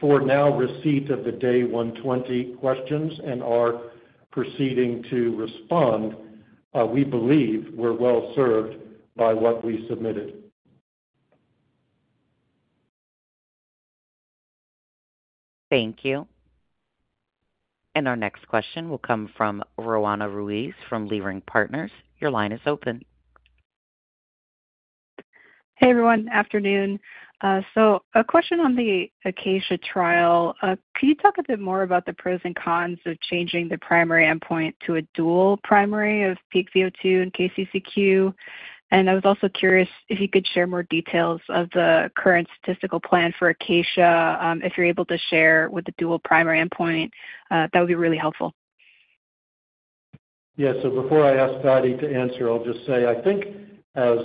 S3: for now, receipt of the day 120 questions and are proceeding to respond, we believe we're well-served by what we submitted.
S1: Thank you. Our next question will come from Roanna Ruiz from Leerink Partners. Your line is open.
S14: Hey, everyone. Afternoon. A question on the ACACIA trial. Could you talk a bit more about the pros and cons of changing the primary endpoint to a dual primary of peak VO2 and KCCQ? I was also curious if you could share more details of the current statistical plan for ACACIA, if you're able to share with the dual primary endpoint. That would be really helpful.
S3: Yeah. Before I ask Fady to answer, I'll just say, I think as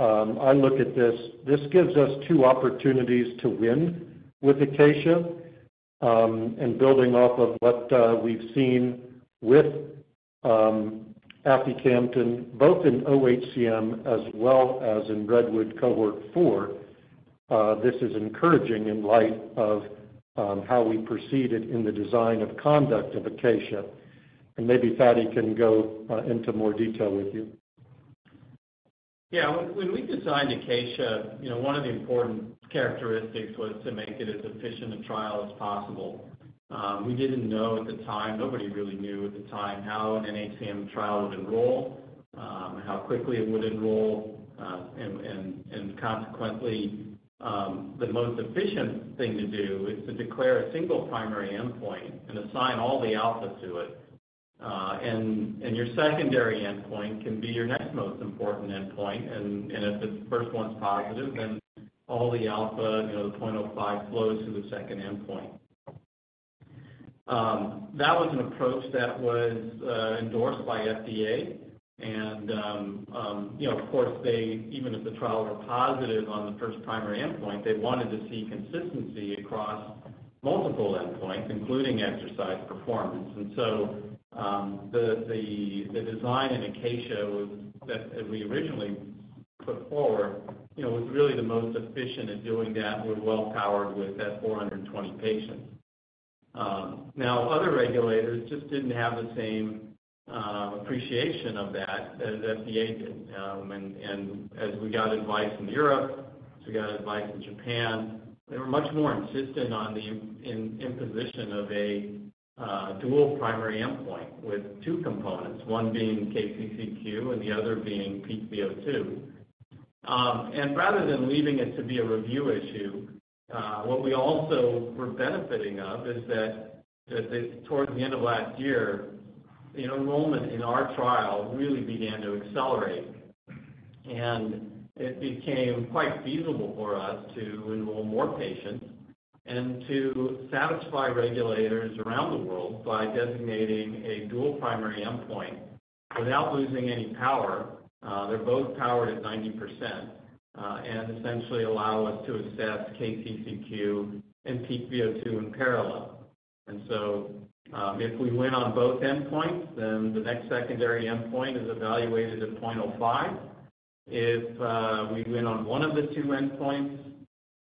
S3: I look at this, this gives us two opportunities to win with ACACIA. Building off of what we've seen with aficamten, both in oHCM as well as in REDWOOD cohort 4, this is encouraging in light of how we proceeded in the design and conduct of ACACIA. Maybe Fady can go into more detail with you.
S5: Yeah. When we designed ACACIA, one of the important characteristics was to make it as efficient a trial as possible. We did not know at the time, nobody really knew at the time how an nHCM trial would enroll, how quickly it would enroll. Consequently, the most efficient thing to do is to declare a single primary endpoint and assign all the alpha to it. Your secondary endpoint can be your next most important endpoint. If the first one is positive, then all the alpha, the 0.05, flows to the second endpoint. That was an approach that was endorsed by FDA. Of course, even if the trial were positive on the first primary endpoint, they wanted to see consistency across multiple endpoints, including exercise performance. The design in ACACIA that we originally put forward was really the most efficient at doing that. We're well-powered with that 420 patients. Other regulators just didn't have the same appreciation of that as FDA did. As we got advice in Europe, as we got advice in Japan, they were much more insistent on the imposition of a dual primary endpoint with two components, one being KCCQ and the other being peak VO2. Rather than leaving it to be a review issue, what we also were benefiting of is that towards the end of last year, enrollment in our trial really began to accelerate. It became quite feasible for us to enroll more patients and to satisfy regulators around the world by designating a dual primary endpoint without losing any power. They're both powered at 90% and essentially allow us to assess KCCQ and peak VO2 in parallel. If we win on both endpoints, then the next secondary endpoint is evaluated at 0.05. If we win on one of the two endpoints,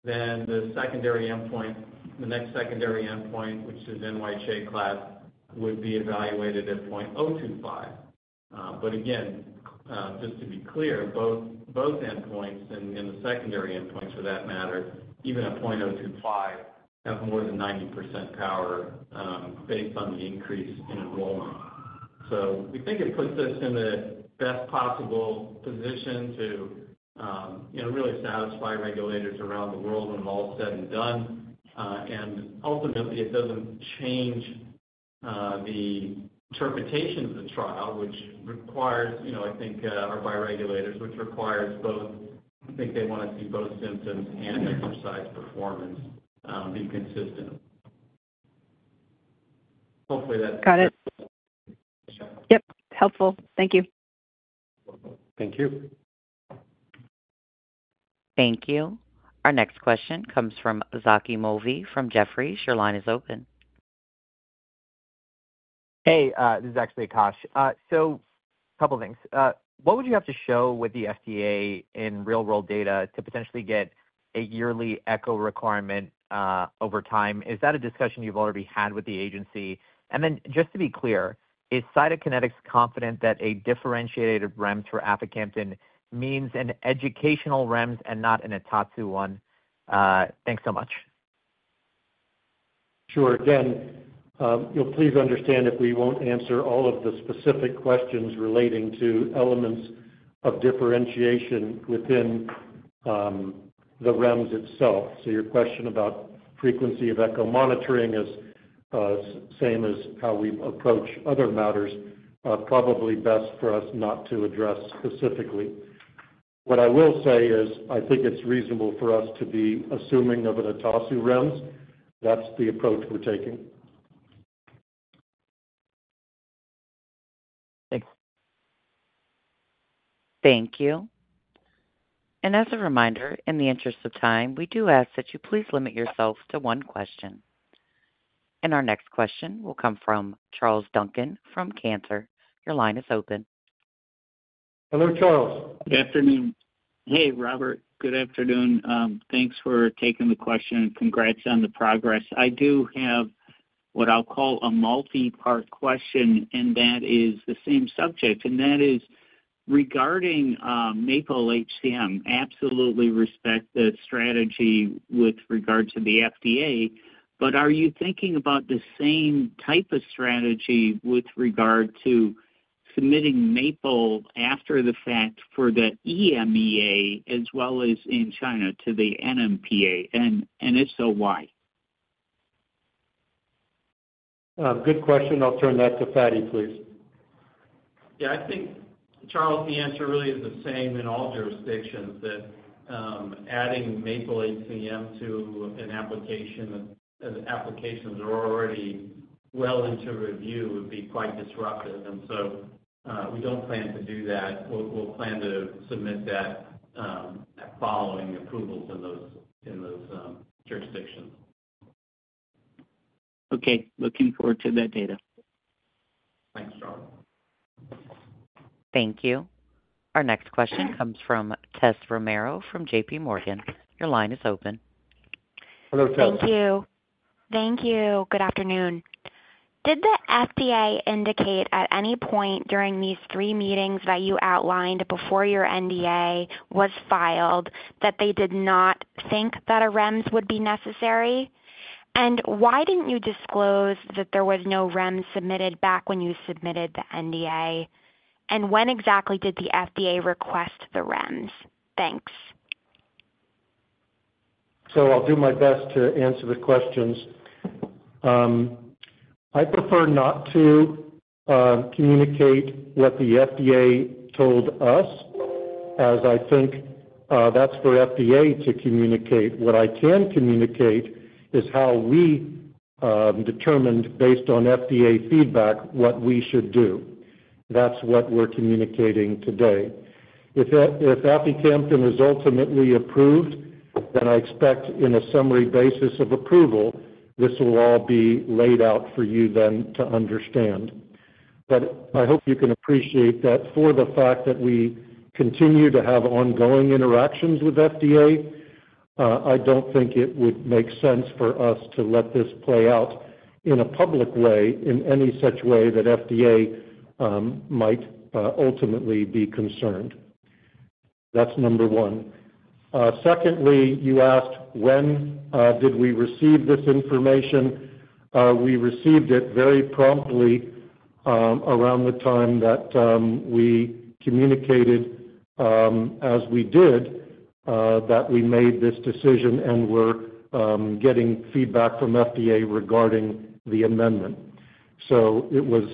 S5: then the secondary endpoint, the next secondary endpoint, which is NYHA class, would be evaluated at 0.025. Again, just to be clear, both endpoints and the secondary endpoints for that matter, even at 0.025, have more than 90% power based on the increase in enrollment. We think it puts us in the best possible position to really satisfy regulators around the world when all is said and done. Ultimately, it does not change the interpretation of the trial, which requires, I think, by regulators, which requires both. I think they want to see both symptoms and exercise performance be consistent. Hopefully, that's.
S14: Got it. Yep. Helpful. Thank you.
S3: Thank you.
S1: Thank you. Our next question comes from Zaki Molvi from Jefferies. Your line is open.
S15: Hey, this is actually Akash. A couple of things. What would you have to show with the FDA in real-world data to potentially get a yearly echo requirement over time? Is that a discussion you've already had with the agency? Just to be clear, is Cytokinetics confident that a differentiated REMS for aficamten means an educational REMS and not an OTATSU one? Thanks so much.
S3: Sure. Again, please understand that we won't answer all of the specific questions relating to elements of differentiation within the REMS itself. Your question about frequency of echo monitoring is the same as how we approach other matters. Probably best for us not to address specifically. What I will say is I think it's reasonable for us to be assuming of an OTATSU REMS. That's the approach we're taking.
S15: Thanks.
S1: Thank you. In the interest of time, we do ask that you please limit yourself to one question. Our next question will come from Charles Duncan from Cantor. Your line is open.
S3: Hello, Charles.
S16: Good afternoon. Hey, Robert. Good afternoon. Thanks for taking the question and congrats on the progress. I do have what I'll call a multi-part question, and that is the same subject. That is regarding MAP-HCM. Absolutely respect the strategy with regard to the FDA, but are you thinking about the same type of strategy with regard to submitting MAPLE after the fact for the EMA as well as in China to the NMPA? If so, why?
S3: Good question. I'll turn that to Fady, please.
S5: Yeah. I think, Charles, the answer really is the same in all jurisdictions, that adding MAPLE-HCM to an application that applications are already well into review would be quite disruptive. We do not plan to do that. We will plan to submit that following approvals in those jurisdictions.
S16: Okay. Looking forward to that data.
S3: Thanks, Charles.
S1: Thank you. Our next question comes from Tess Romero from JP Morgan. Your line is open.
S3: Hello, Tess.
S17: Thank you. Thank you. Good afternoon. Did the FDA indicate at any point during these three meetings that you outlined before your NDA was filed that they did not think that a REMS would be necessary? Why did you not disclose that there was no REMS submitted back when you submitted the NDA? When exactly did the FDA request the REMS? Thanks.
S3: I'll do my best to answer the questions. I prefer not to communicate what the FDA told us, as I think that's for FDA to communicate. What I can communicate is how we determined, based on FDA feedback, what we should do. That's what we're communicating today. If aficamten is ultimately approved, then I expect in a summary basis of approval, this will all be laid out for you then to understand. I hope you can appreciate that for the fact that we continue to have ongoing interactions with FDA, I don't think it would make sense for us to let this play out in a public way in any such way that FDA might ultimately be concerned. That's number one. Secondly, you asked when did we receive this information? We received it very promptly around the time that we communicated as we did that we made this decision and were getting feedback from FDA regarding the amendment. It was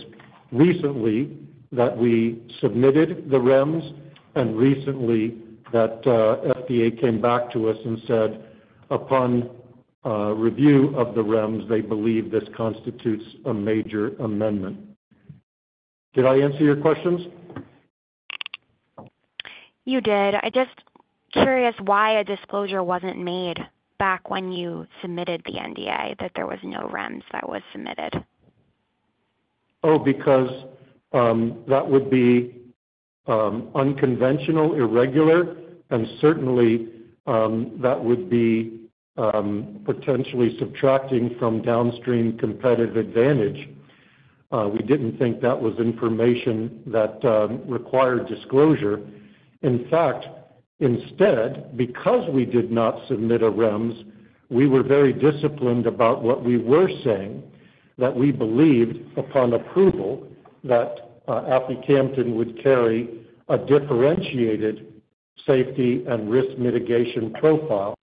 S3: recently that we submitted the REMS and recently that FDA came back to us and said upon review of the REMS, they believe this constitutes a major amendment. Did I answer your questions?
S17: You did. I'm just curious why a disclosure wasn't made back when you submitted the NDA, that there was no REMS that was submitted.
S3: Oh, because that would be unconventional, irregular, and certainly that would be potentially subtracting from downstream competitive advantage. We did not think that was information that required disclosure. In fact, instead, because we did not submit a REMS, we were very disciplined about what we were saying, that we believed upon approval that aficamten would carry a differentiated safety and risk mitigation profile.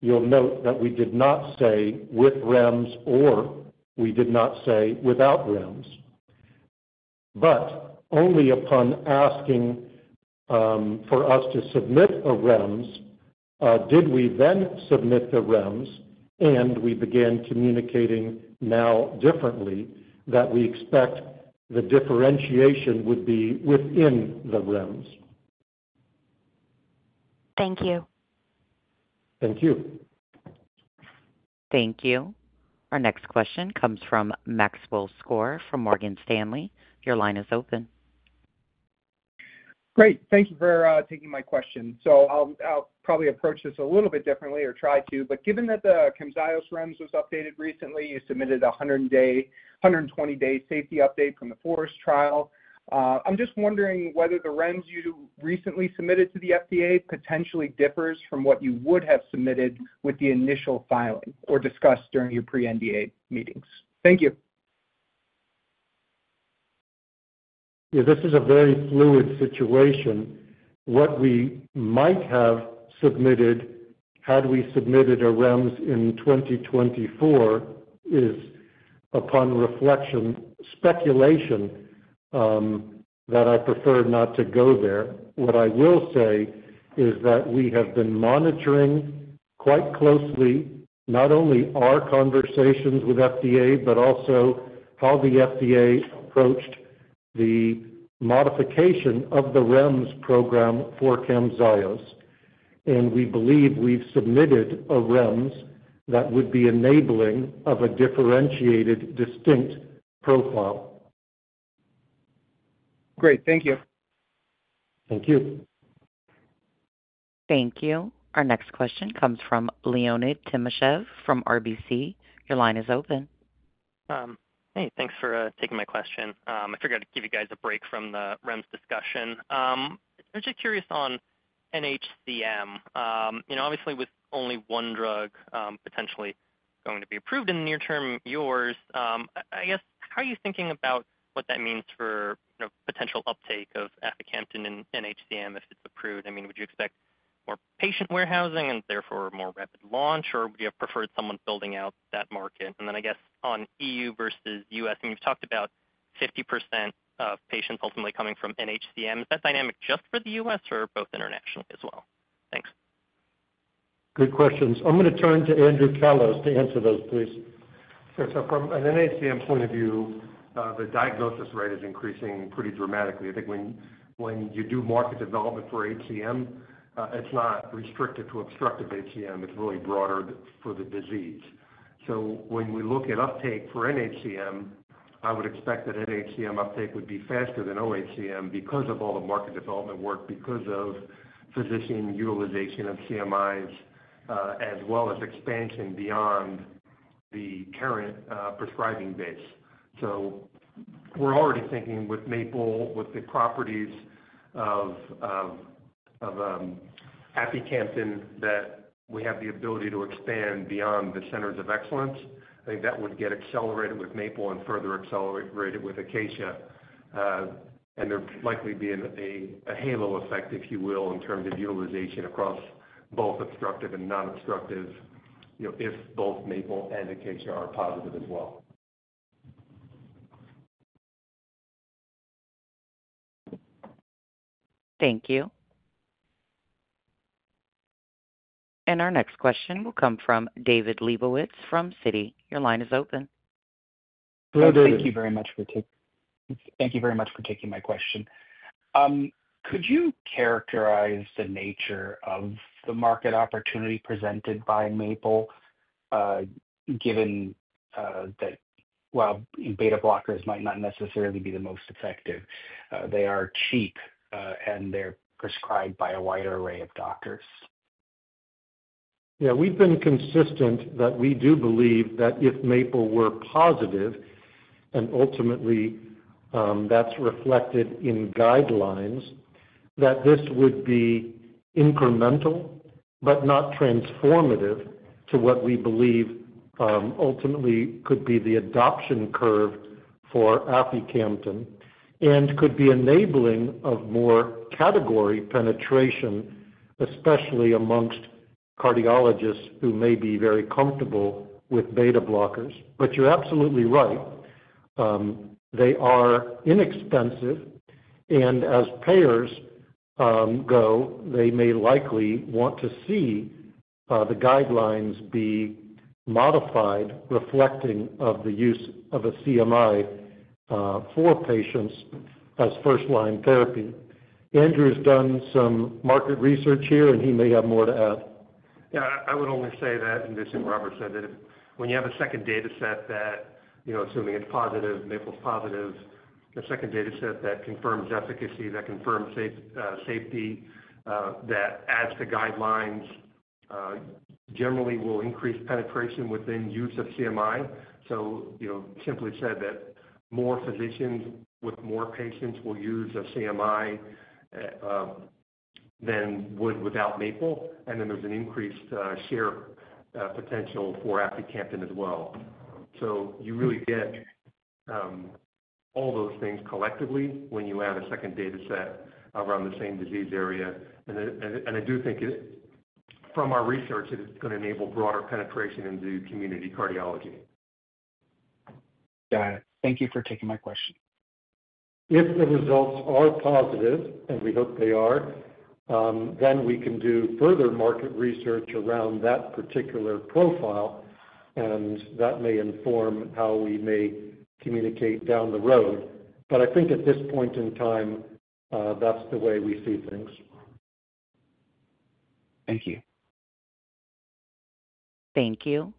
S3: You'll note that we did not say with REMS or we did not say without REMS. Only upon asking for us to submit a REMS did we then submit the REMS, and we began communicating now differently that we expect the differentiation would be within the REMS.
S17: Thank you.
S3: Thank you.
S1: Thank you. Our next question comes from Maxwell Skor from Morgan Stanley. Your line is open.
S18: Great. Thank you for taking my question. I'll probably approach this a little bit differently or try to. Given that the CAMZYOS REMS was updated recently, you submitted a 120-day safety update from the FOREST-HCM trial. I'm just wondering whether the REMS you recently submitted to the FDA potentially differs from what you would have submitted with the initial filing or discussed during your pre-NDA meetings. Thank you.
S3: Yeah. This is a very fluid situation. What we might have submitted, had we submitted a REMS in 2024, is upon reflection, speculation that I prefer not to go there. What I will say is that we have been monitoring quite closely not only our conversations with FDA, but also how the FDA approached the modification of the REMS program for CAMZYOS. We believe we've submitted a REMS that would be enabling of a differentiated distinct profile.
S18: Great. Thank you.
S3: Thank you.
S1: Thank you. Our next question comes from Leonid Timashev from RBC. Your line is open.
S19: Hey. Thanks for taking my question. I figured I'd give you guys a break from the REMS discussion. I'm just curious on nHCM. Obviously, with only one drug potentially going to be approved in the near term, yours, I guess, how are you thinking about what that means for potential uptake of aficamten in nHCM if it's approved? I mean, would you expect more patient warehousing and therefore more rapid launch, or would you have preferred someone building out that market? I guess on E.U. versus U.S, I mean, you've talked about 50% of patients ultimately coming from nHCM. Is that dynamic just for the U.S. or both internationally as well? Thanks.
S3: Good questions. I'm going to turn to Andrew Callos to answer those, please.
S4: Sure. From an nHCM point of view, the diagnosis rate is increasing pretty dramatically. I think when you do market development for HCM, it's not restricted to obstructive HCM. It's really broader for the disease. When we look at uptake for nHCM, I would expect that nHCM uptake would be faster than oHCM because of all the market development work, because of physician utilization of CMIs as well as expansion beyond the current prescribing base. We're already thinking with MAPLE, with the properties of aficamten, that we have the ability to expand beyond the centers of excellence. I think that would get accelerated with MAPLE and further accelerated with ACACIA There would likely be a halo effect, if you will, in terms of utilization across both obstructive and non-obstructive if both Mle and ACACIA are positive as well.
S1: Thank you. Our next question will come from David Lebowitz from Citi. Your line is open.
S3: Hello, David.
S20: Thank you very much for taking my question. Could you characterize the nature of the market opportunity presented by MAPLE given that, um, beta blockers might not necessarily be the most effective? They are cheap, and they're prescribed by a wider array of doctors.
S3: Yeah. We've been consistent that we do believe that if MAPLE were positive, and ultimately that's reflected in guidelines, that this would be incremental but not transformative to what we believe ultimately could be the adoption curve for aficamten and could be enabling of more category penetration, especially amongst cardiologists who may be very comfortable with beta blockers. You're absolutely right. They are inexpensive. As payers go, they may likely want to see the guidelines be modified, reflecting of the use of a CMI for patients as first-line therapy. Andrew's done some market research here, and he may have more to add.
S4: Yeah. I would only say that, and this is what Robert said, that when you have a second data set that, assuming it's positive, MAPLES's positive, a second data set that confirms efficacy, that confirms safety, that adds to guidelines, generally will increase penetration within use of CMI. Simply said, more physicians with more patients will use a CMI than would without MAPLE. There is an increased share potential for aficamten as well. You really get all those things collectively when you add a second data set around the same disease area. I do think from our research, it's going to enable broader penetration into community cardiology.
S20: Got it. Thank you for taking my question.
S3: If the results are positive, and we hope they are, then we can do further market research around that particular profile. That may inform how we may communicate down the road. I think at this point in time, that's the way we see things.
S20: Thank you.
S1: Thank you.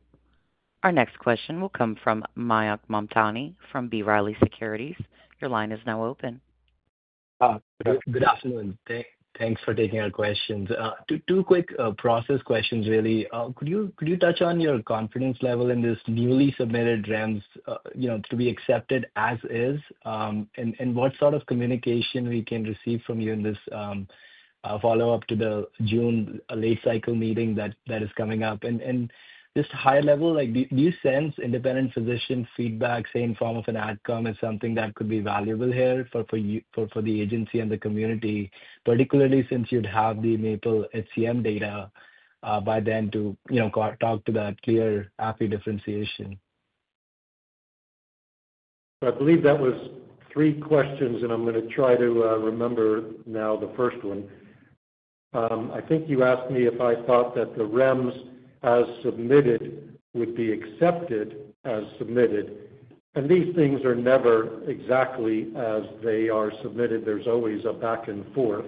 S1: Our next question will come from Mayank Mamtani from B. Riley Securities. Your line is now open.
S21: Good afternoon. Thanks for taking our questions. Two quick process questions, really. Could you touch on your confidence level in this newly submitted REMS to be accepted as is? What sort of communication can we receive from you in this follow-up to the June late-cycle meeting that is coming up? Just high-level, do you sense independent physician feedback, say, in form of an adcom, as something that could be valuable here for the agency and the community, particularly since you'd have the MAPLE-HCM data by then to talk to that clear AFI differentiation?
S3: I believe that was three questions, and I'm going to try to remember now the first one. I think you asked me if I thought that the REMS as submitted would be accepted as submitted. These things are never exactly as they are submitted. There's always a back and forth.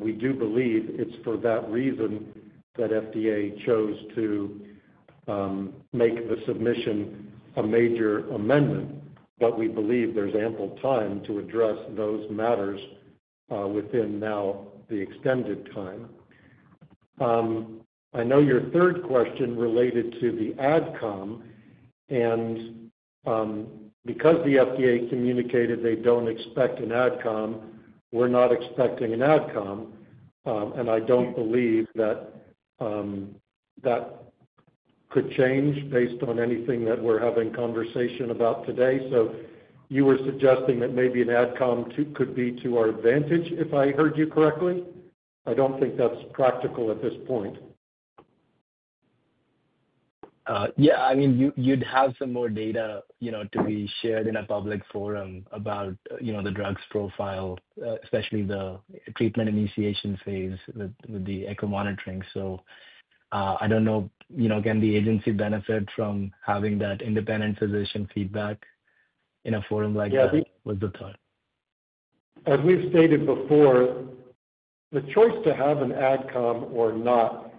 S3: We do believe it's for that reason that FDA chose to make the submission a major amendment. We believe there's ample time to address those matters within now the extended time. I know your third question related to the AdCom. Because the FDA communicated they don't expect an adcom, we're not expecting an adcom. I don't believe that that could change based on anything that we're having conversation about today. You were suggesting that maybe an adcom could be to our advantage, if I heard you correctly. I don't think that's practical at this point.
S21: Yeah. I mean, you'd have some more data to be shared in a public forum about the drug's profile, especially the treatment initiation phase with the echo monitoring. I don't know, can the agency benefit from having that independent physician feedback in a forum like that? What's the thought?
S3: As we've stated before, the choice to have an AdCom or not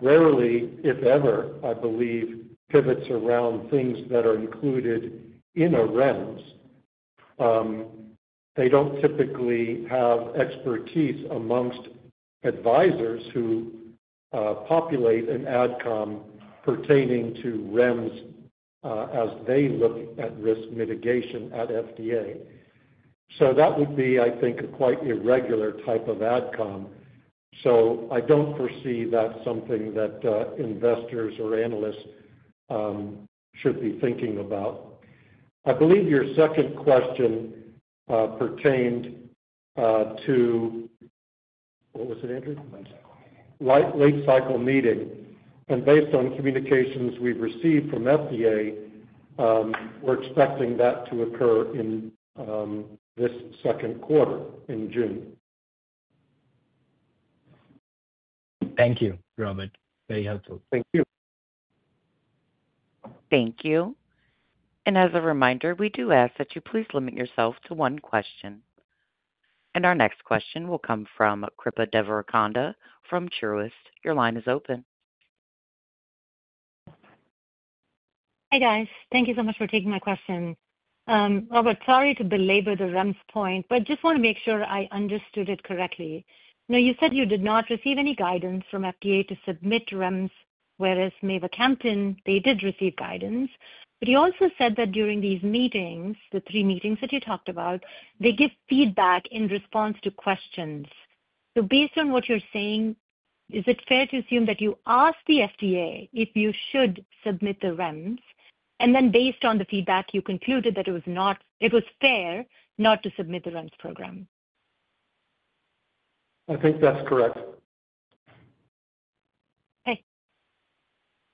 S3: rarely, if ever, I believe, pivots around things that are included in a REMS. They do not typically have expertise amongst advisors who populate an adcom pertaining to REMS as they look at risk mitigation at FDA. That would be, I think, a quite irregular type of adcom. I do not foresee that is something that investors or analysts should be thinking about. I believe your second question pertained to, what was it, Andrew? Late-cycle meeting. Based on communications we have received from FDA, we are expecting that to occur in this second quarter in June.
S21: Thank you, Robert. Very helpful.
S3: Thank you.
S1: Thank you. As a reminder, we do ask that you please limit yourself to one question. Our next question will come from Kripa Devarakonda from Truist. Your line is open.
S22: Hi, guys. Thank you so much for taking my question. Robert, sorry to belabor the REMS point, but just want to make sure I understood it correctly. You said you did not receive any guidance from FDA to submit REMS, whereas mavacamten, they did receive guidance. You also said that during these meetings, the three meetings that you talked about, they give feedback in response to questions. Based on what you're saying, is it fair to assume that you asked the FDA if you should submit the REMS? Based on the feedback, you concluded that it was fair not to submit the REMS program.
S3: I think that's correct.
S22: Okay.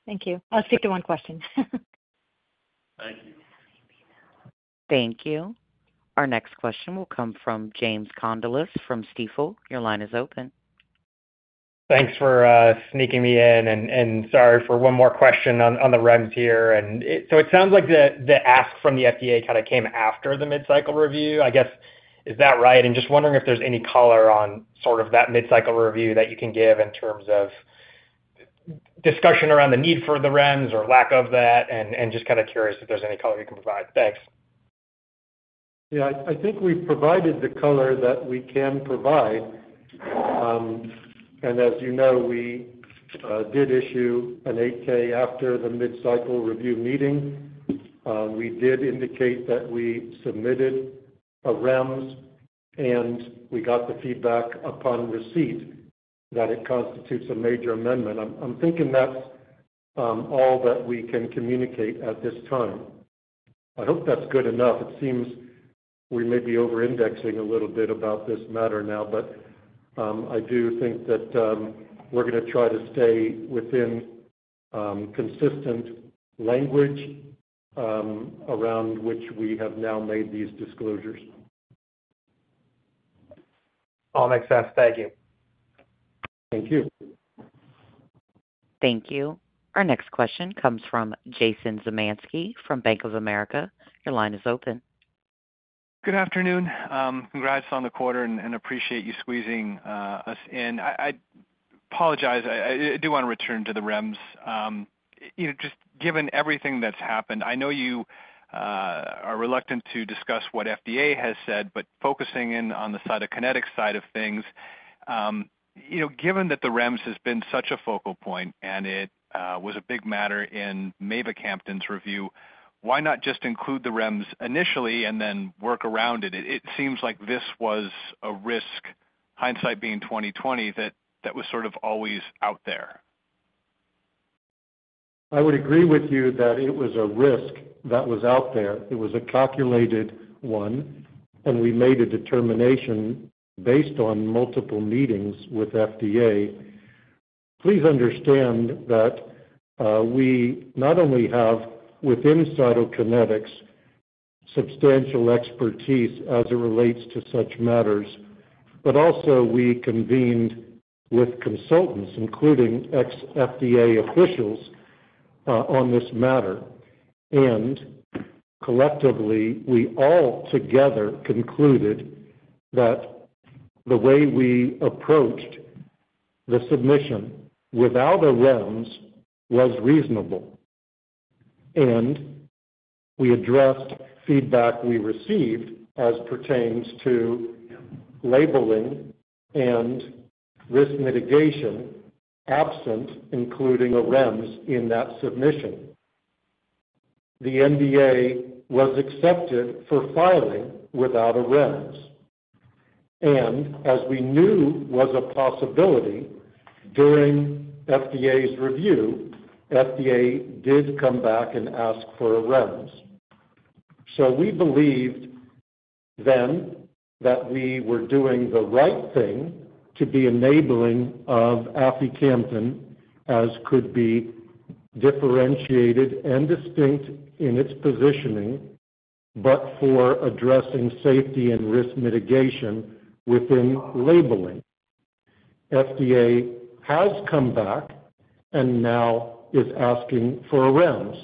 S22: Thank you. I'll stick to one question.
S3: Thank you.
S1: Thank you. Our next question will come from James Condulis from Stifel. Your line is open.
S23: Thanks for sneaking me in. Sorry for one more question on the REMS here. It sounds like the ask from the FDA kind of came after the mid-cycle review. I guess, is that right? Just wondering if there's any color on sort of that mid-cycle review that you can give in terms of discussion around the need for the REMS or lack of that, and just kind of curious if there's any color you can provide. Thanks.
S3: Yeah. I think we've provided the color that we can provide. As you know, we did issue an 8K after the mid-cycle review meeting. We did indicate that we submitted a REMS, and we got the feedback upon receipt that it constitutes a major amendment. I'm thinking that's all that we can communicate at this time. I hope that's good enough. It seems we may be over-indexing a little bit about this matter now. I do think that we're going to try to stay within consistent language around which we have now made these disclosures.
S23: All makes sense. Thank you.
S3: Thank you.
S1: Thank you. Our next question comes from Jason Zemansky from Bank of America. Your line is open.
S24: Good afternoon. Congrats on the quarter, and appreciate you squeezing us in. I apologize. I do want to return to the REMS. Just given everything that's happened, I know you are reluctant to discuss what FDA has said, but focusing in on the Cytokinetics side of things, given that the REMS has been such a focal point and it was a big matter in mavacamten's review, why not just include the REMS initially and then work around it? It seems like this was a risk, hindsight being 2020, that was sort of always out there.
S3: I would agree with you that it was a risk that was out there. It was a calculated one. We made a determination based on multiple meetings with FDA. Please understand that we not only have within Cytokinetics substantial expertise as it relates to such matters, but also we convened with consultants, including ex-FDA officials, on this matter. Collectively, we all together concluded that the way we approached the submission without a REMS was reasonable. We addressed feedback we received as pertains to labeling and risk mitigation absent, including a REMS in that submission. The NDA was accepted for filing without a REMS. As we knew was a possibility during FDA's review, FDA did come back and ask for a REMS. We believed then that we were doing the right thing to be enabling of AFI Campus as could be differentiated and distinct in its positioning, but for addressing safety and risk mitigation within labeling. FDA has come back and now is asking for a REMS.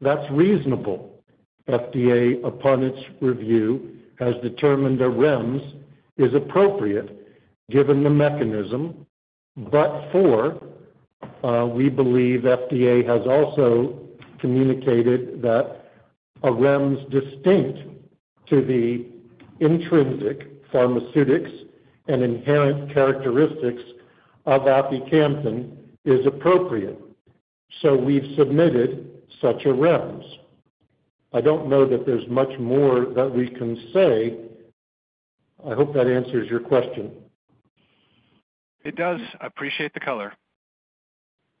S3: That's reasonable. FDA, upon its review, has determined a REMS is appropriate given the mechanism. We believe FDA has also communicated that a REMS distinct to the intrinsic pharmaceutics and inherent characteristics of AFI Campus is appropriate. We have submitted such a REMS. I don't know that there's much more that we can say. I hope that answers your question.
S24: It does. I appreciate the color.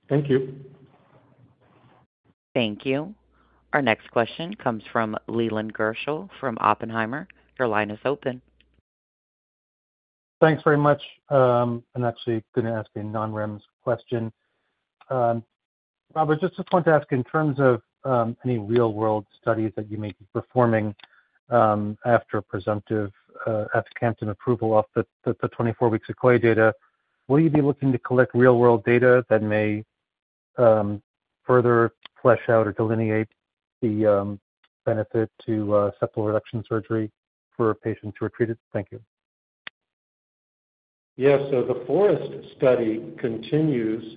S3: Thank you.
S1: Thank you. Our next question comes from Leland Gershell from Oppenheimer. Your line is open.
S25: Thanks very much. Actually, going to ask a non-REMS question. Robert, just wanted to ask in terms of any real-world studies that you may be performing after presumptive aficamten approval of the 24-week SEQUOIA-HCM data, will you be looking to collect real-world data that may further flesh out or delineate the benefit to septal reduction surgery for patients who are treated? Thank you.
S3: Yes. The FOREST study continues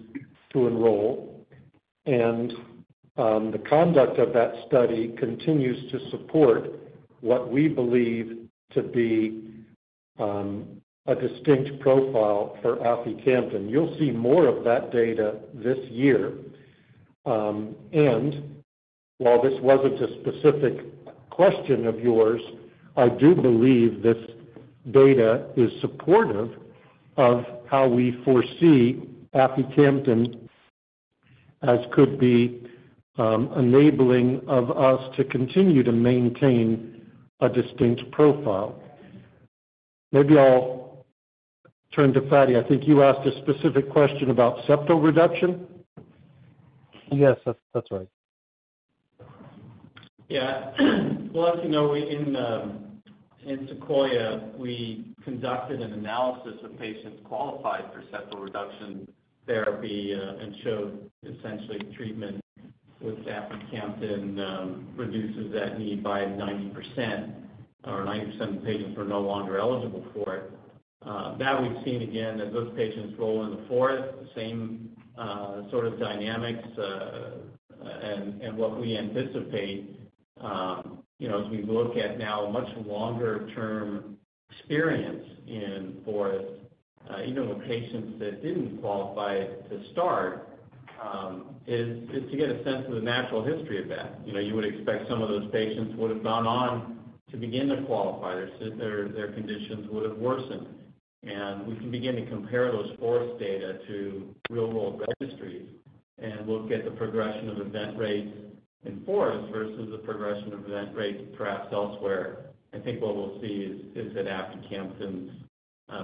S3: to enroll. The conduct of that study continues to support what we believe to be a distinct profile for aficamten. You'll see more of that data this year. While this was not a specific question of yours, I do believe this data is supportive of how we foresee aficamten as could be enabling of us to continue to maintain a distinct profile. Maybe I'll turn to Fady. I think you asked a specific question about septal reduction.
S25: Yes, that's right.
S3: Yeah. As you know, in SEQUOIA, we conducted an analysis of patients qualified for septal reduction therapy and showed essentially treatment with aficamten reduces that need by 90%, or 90% of the patients were no longer eligible for it. That we've seen again as those patients roll into FOREST, same sort of dynamics. What we anticipate as we look at now a much longer-term experience in FOREST, even with patients that did not qualify to start, is to get a sense of the natural history of that. You would expect some of those patients would have gone on to begin to qualify. Their conditions would have worsened. We can begin to compare those FOREST data to real-world registries. We will get the progression of event rates in FOREST versus the progression of event rates perhaps elsewhere. I think what we'll see is that aficamten is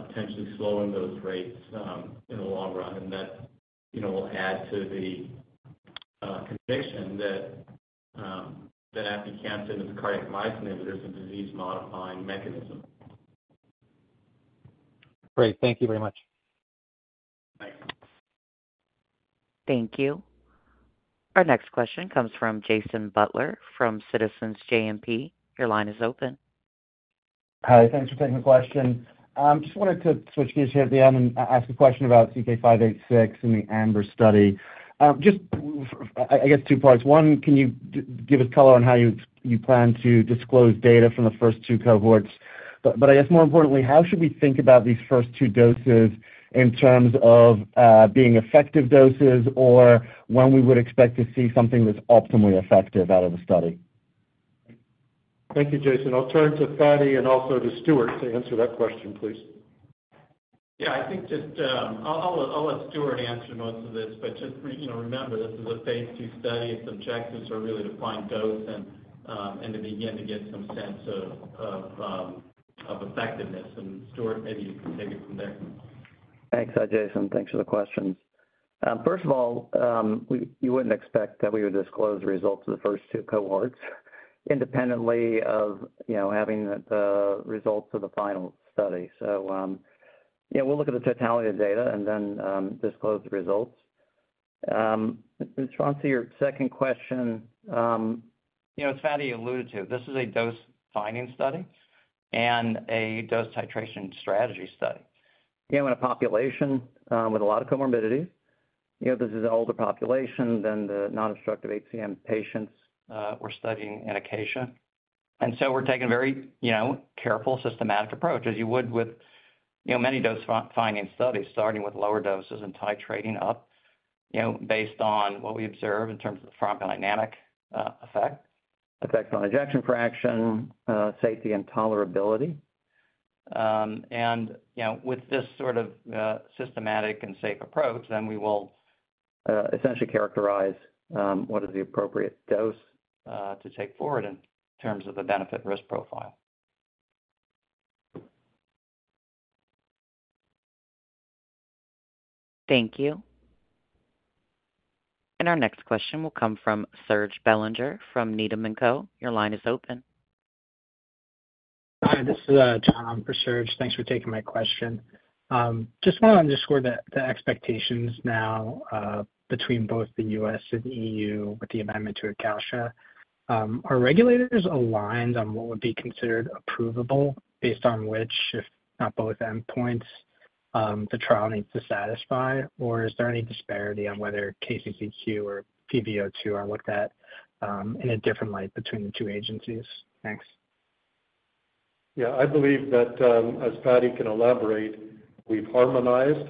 S3: potentially slowing those rates in the long run. That will add to the conviction that aficamten is a cardiac myosin inhibitor, a disease-modifying mechanism.
S6: Great. Thank you very much.
S3: Thanks.
S1: Thank you. Our next question comes from Jason Butler from Citizens JMP. Your line is open.
S26: Hi. Thanks for taking the question. Just wanted to switch gears here at the end and ask a question about CK-586 in the Amber-HFpEF study. Just, I guess, two parts. One, can you give us color on how you plan to disclose data from the first two cohorts? I guess, more importantly, how should we think about these first two doses in terms of being effective doses or when we would expect to see something that's optimally effective out of the study?
S3: Thank you, Jason. I'll turn to Fady and also to Stuart to answer that question, please.
S5: Yeah. I think just I'll let Stuart answer most of this. Just remember, this is a phase II study. Its objectives are really to find dose and to begin to get some sense of effectiveness. Stuart, maybe you can take it from there.
S6: Thanks, Jason. Thanks for the questions. First of all, you wouldn't expect that we would disclose the results of the first two cohorts independently of having the results of the final study. We will look at the totality of the data and then disclose the results. In response to your second question, as Fady alluded to, this is a dose finding study and a dose titration strategy study. In a population with a lot of comorbidities, this is an older population than the non-obstructive HCM patients we are studying in ACACIA. We are taking a very careful, systematic approach as you would with many dose finding studies, starting with lower doses and titrating up based on what we observe in terms of the pharmacodynamic effect, effects on ejection fraction, safety, and tolerability. With this sort of systematic and safe approach, we will essentially characterize what is the appropriate dose to take forward in terms of the benefit-risk profile.
S1: Thank you. Our next question will come from Serge Belanger from Needham & Co. Your line is open.
S27: Hi. This is John for Serge. Thanks for taking my question. Just want to underscore the expectations now between both the U.S. and E.U. with the amendment to ACACIA. Are regulators aligned on what would be considered approvable based on which, if not both endpoints, the trial needs to satisfy? Is there any disparity on whether KCCQ or pVO2 are looked at in a different light between the two agencies? Thanks.
S3: Yeah. I believe that, as Fady can elaborate, we've harmonized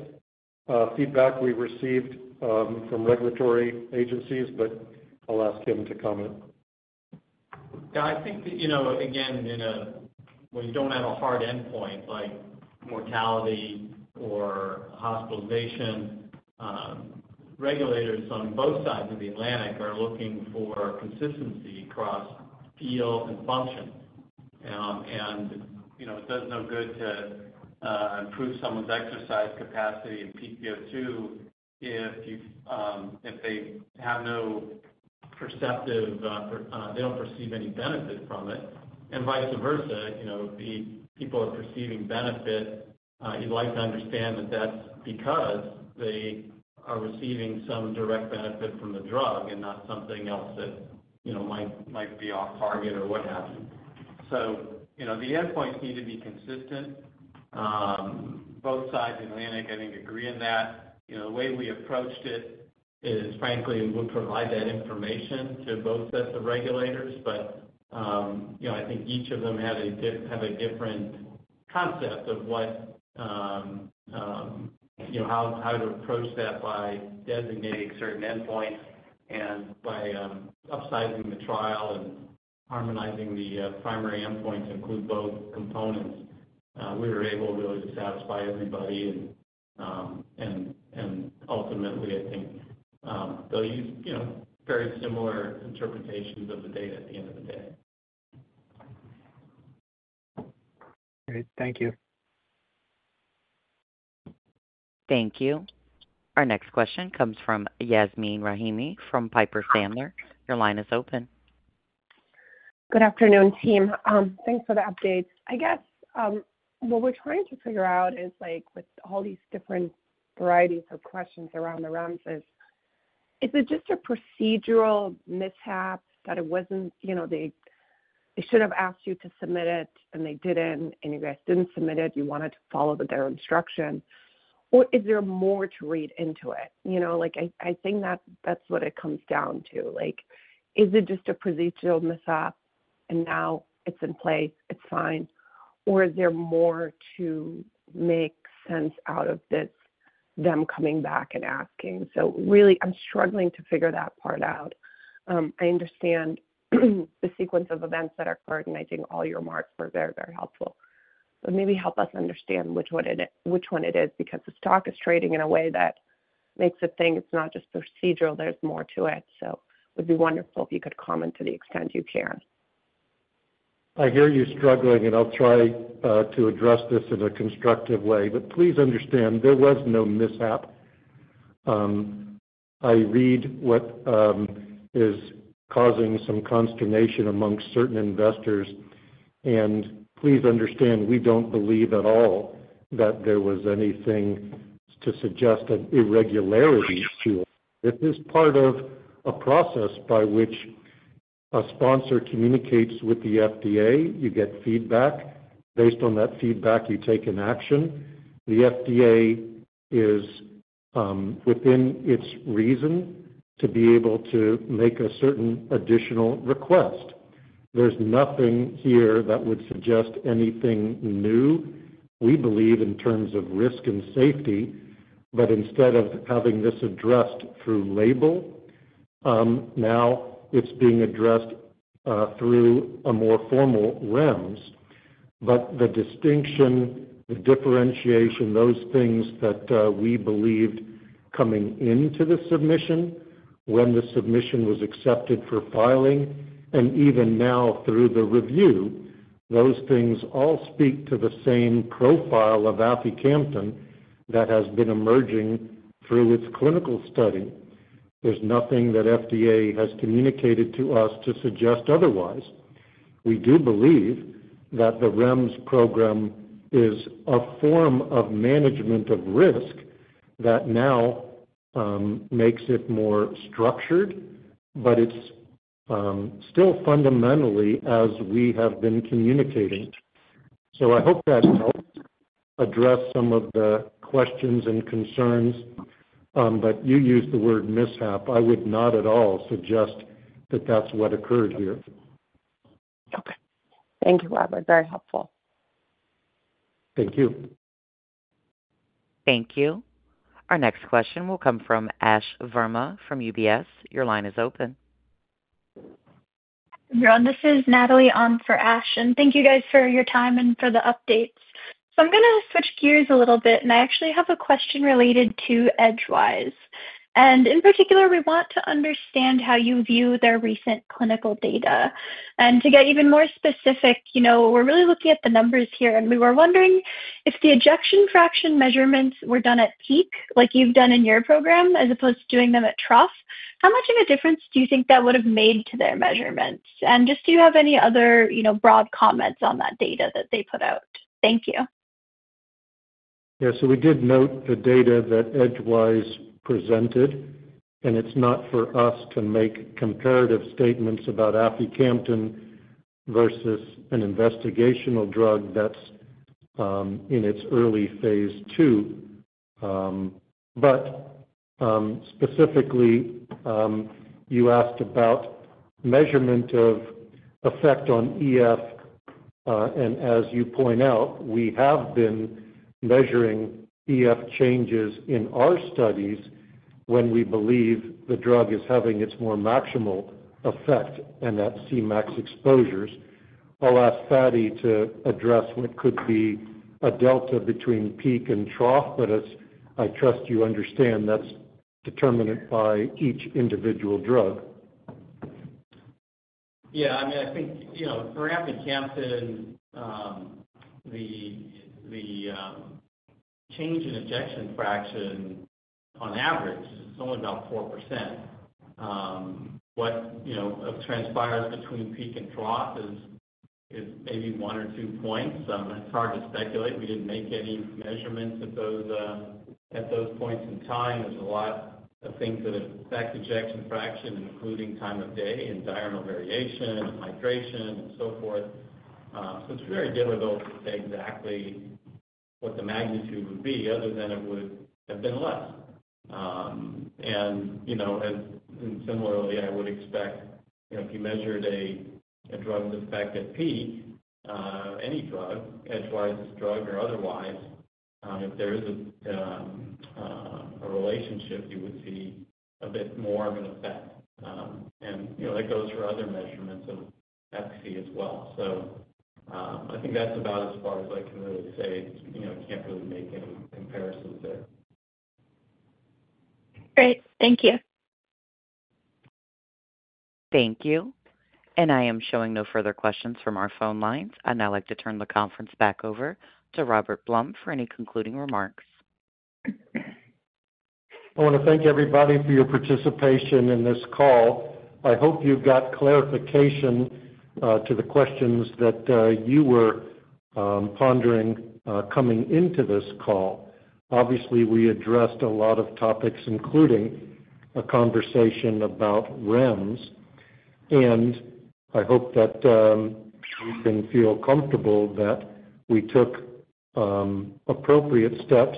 S3: feedback we received from regulatory agencies, but I'll ask him to comment.
S5: Yeah. I think, again, when you do not have a hard endpoint like mortality or hospitalization, regulators on both sides of the Atlantic are looking for consistency across field and function. It does no good to improve someone's exercise capacity and pVO2 if they have no perceptive, they do not perceive any benefit from it. Vice versa, if people are perceiving benefit, you would like to understand that that is because they are receiving some direct benefit from the drug and not something else that might be off-target or what have you. The endpoints need to be consistent. Both sides of the Atlantic, I think, agree on that. The way we approached it is, frankly, we will provide that information to both sets of regulators. I think each of them have a different concept of how to approach that by designating certain endpoints and by upsizing the trial and harmonizing the primary endpoints to include both components. We were able to satisfy everybody. Ultimately, I think they'll use very similar interpretations of the data at the end of the day.
S27: Great. Thank you.
S1: Thank you. Our next question comes from Yasmeen Rahimi from Piper Sandler. Your line is open.
S28: Good afternoon, team. Thanks for the updates. I guess what we're trying to figure out is with all these different varieties of questions around the REMS, is it just a procedural mishap that it was not they should have asked you to submit it, and they did not, and you guys did not submit it. You wanted to follow their instruction. Or is there more to read into it? I think that is what it comes down to. Is it just a procedural mishap, and now it is in place, it is fine? Or is there more to make sense out of this, them coming back and asking? Really, I am struggling to figure that part out. I understand the sequence of events that are occurring. I think all your marks were very, very helpful. Maybe help us understand which one it is because the stock is trading in a way that makes it think it's not just procedural. There's more to it. It would be wonderful if you could comment to the extent you can.
S3: I hear you struggling, and I'll try to address this in a constructive way. Please understand, there was no mishap. I read what is causing some consternation amongst certain investors. Please understand, we don't believe at all that there was anything to suggest an irregularity to it. This is part of a process by which a sponsor communicates with the FDA. You get feedback. Based on that feedback, you take an action. The FDA is within its reason to be able to make a certain additional request. There is nothing here that would suggest anything new, we believe, in terms of risk and safety. Instead of having this addressed through label, now it's being addressed through a more formal REMS. The distinction, the differentiation, those things that we believed coming into the submission, when the submission was accepted for filing, and even now through the review, those things all speak to the same profile of aficamten that has been emerging through its clinical study. There is nothing that FDA has communicated to us to suggest otherwise. We do believe that the REMS program is a form of management of risk that now makes it more structured, but it is still fundamentally as we have been communicating. I hope that helps address some of the questions and concerns. You used the word mishap. I would not at all suggest that that is what occurred here.
S28: Okay. Thank you, Robert. Very helpful.
S3: Thank you.
S1: Thank you. Our next question will come from Ash Verma from UBS. Your line is open.
S29: This is Natalie on for Ash. Thank you guys for your time and for the updates. I'm going to switch gears a little bit. I actually have a question related to Edgewise. In particular, we want to understand how you view their recent clinical data. To get even more specific, we're really looking at the numbers here. We were wondering if the ejection fraction measurements were done at peak, like you've done in your program, as opposed to doing them at trough, how much of a difference do you think that would have made to their measurements? Do you have any other broad comments on that data that they put out? Thank you.
S3: Yeah. We did note the data that Edgewise presented. It is not for us to make comparative statements about AFI Campus versus an investigational drug that is in its early phase II. Specifically, you asked about measurement of effect on EF. As you point out, we have been measuring EF changes in our studies when we believe the drug is having its more maximal effect and at Cmax exposures. I'll ask Fady to address what could be a delta between peak and trough. I trust you understand that is determined by each individual drug.
S5: Yeah. I mean, I think for Aficamten, the change in ejection fraction on average is only about 4%. What transpires between peak and trough is maybe one or two percentage points. It's hard to speculate. We didn't make any measurements at those points in time. There's a lot of things that affect ejection fraction, including time of day and diurnal variation and hydration and so forth. It's very difficult to say exactly what the magnitude would be other than it would have been less. Similarly, I would expect if you measured a drug's effect at peak, any drug, Edgewise's drug or otherwise, if there is a relationship, you would see a bit more of an effect. That goes for other measurements of efficacy as well. I think that's about as far as I can really say. I can't really make any comparisons there.
S29: Great. Thank you.
S1: Thank you. I am showing no further questions from our phone lines. I'd like to turn the conference back over to Robert Blum for any concluding remarks.
S3: I want to thank everybody for your participation in this call. I hope you got clarification to the questions that you were pondering coming into this call. Obviously, we addressed a lot of topics, including a conversation about REMS. I hope that you can feel comfortable that we took appropriate steps,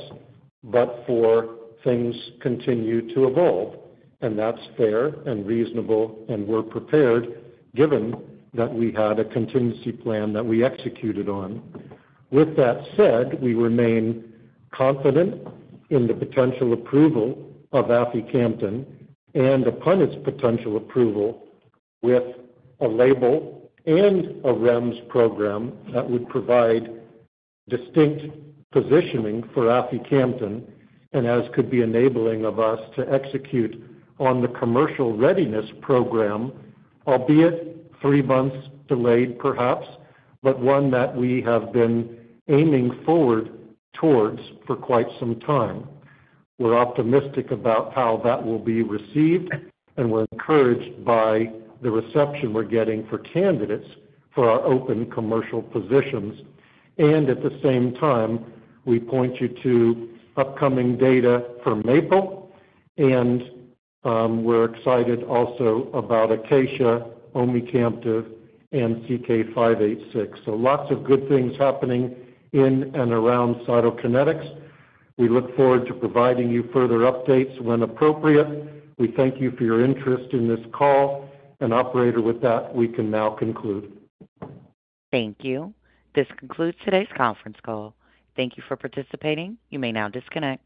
S3: for things continue to evolve. That's fair and reasonable. We're prepared given that we had a contingency plan that we executed on. With that said, we remain confident in the potential approval of aficamten and upon its potential approval with a label and a REMS program that would provide distinct positioning for aficamten and as could be enabling of us to execute on the commercial readiness program, albeit three months delayed perhaps, but one that we have been aiming forward towards for quite some time. We're optimistic about how that will be received. We are encouraged by the reception we are getting for candidates for our open commercial positions. At the same time, we point you to upcoming data from MAPLE. We are excited also about ACACIA, Omecamtiv Mecarbil, and CK-586. Lots of good things are happening in and around Cytokinetics. We look forward to providing you further updates when appropriate. We thank you for your interest in this call. Operator, with that, we can now conclude.
S1: Thank you. This concludes today's conference call. Thank you for participating. You may now disconnect.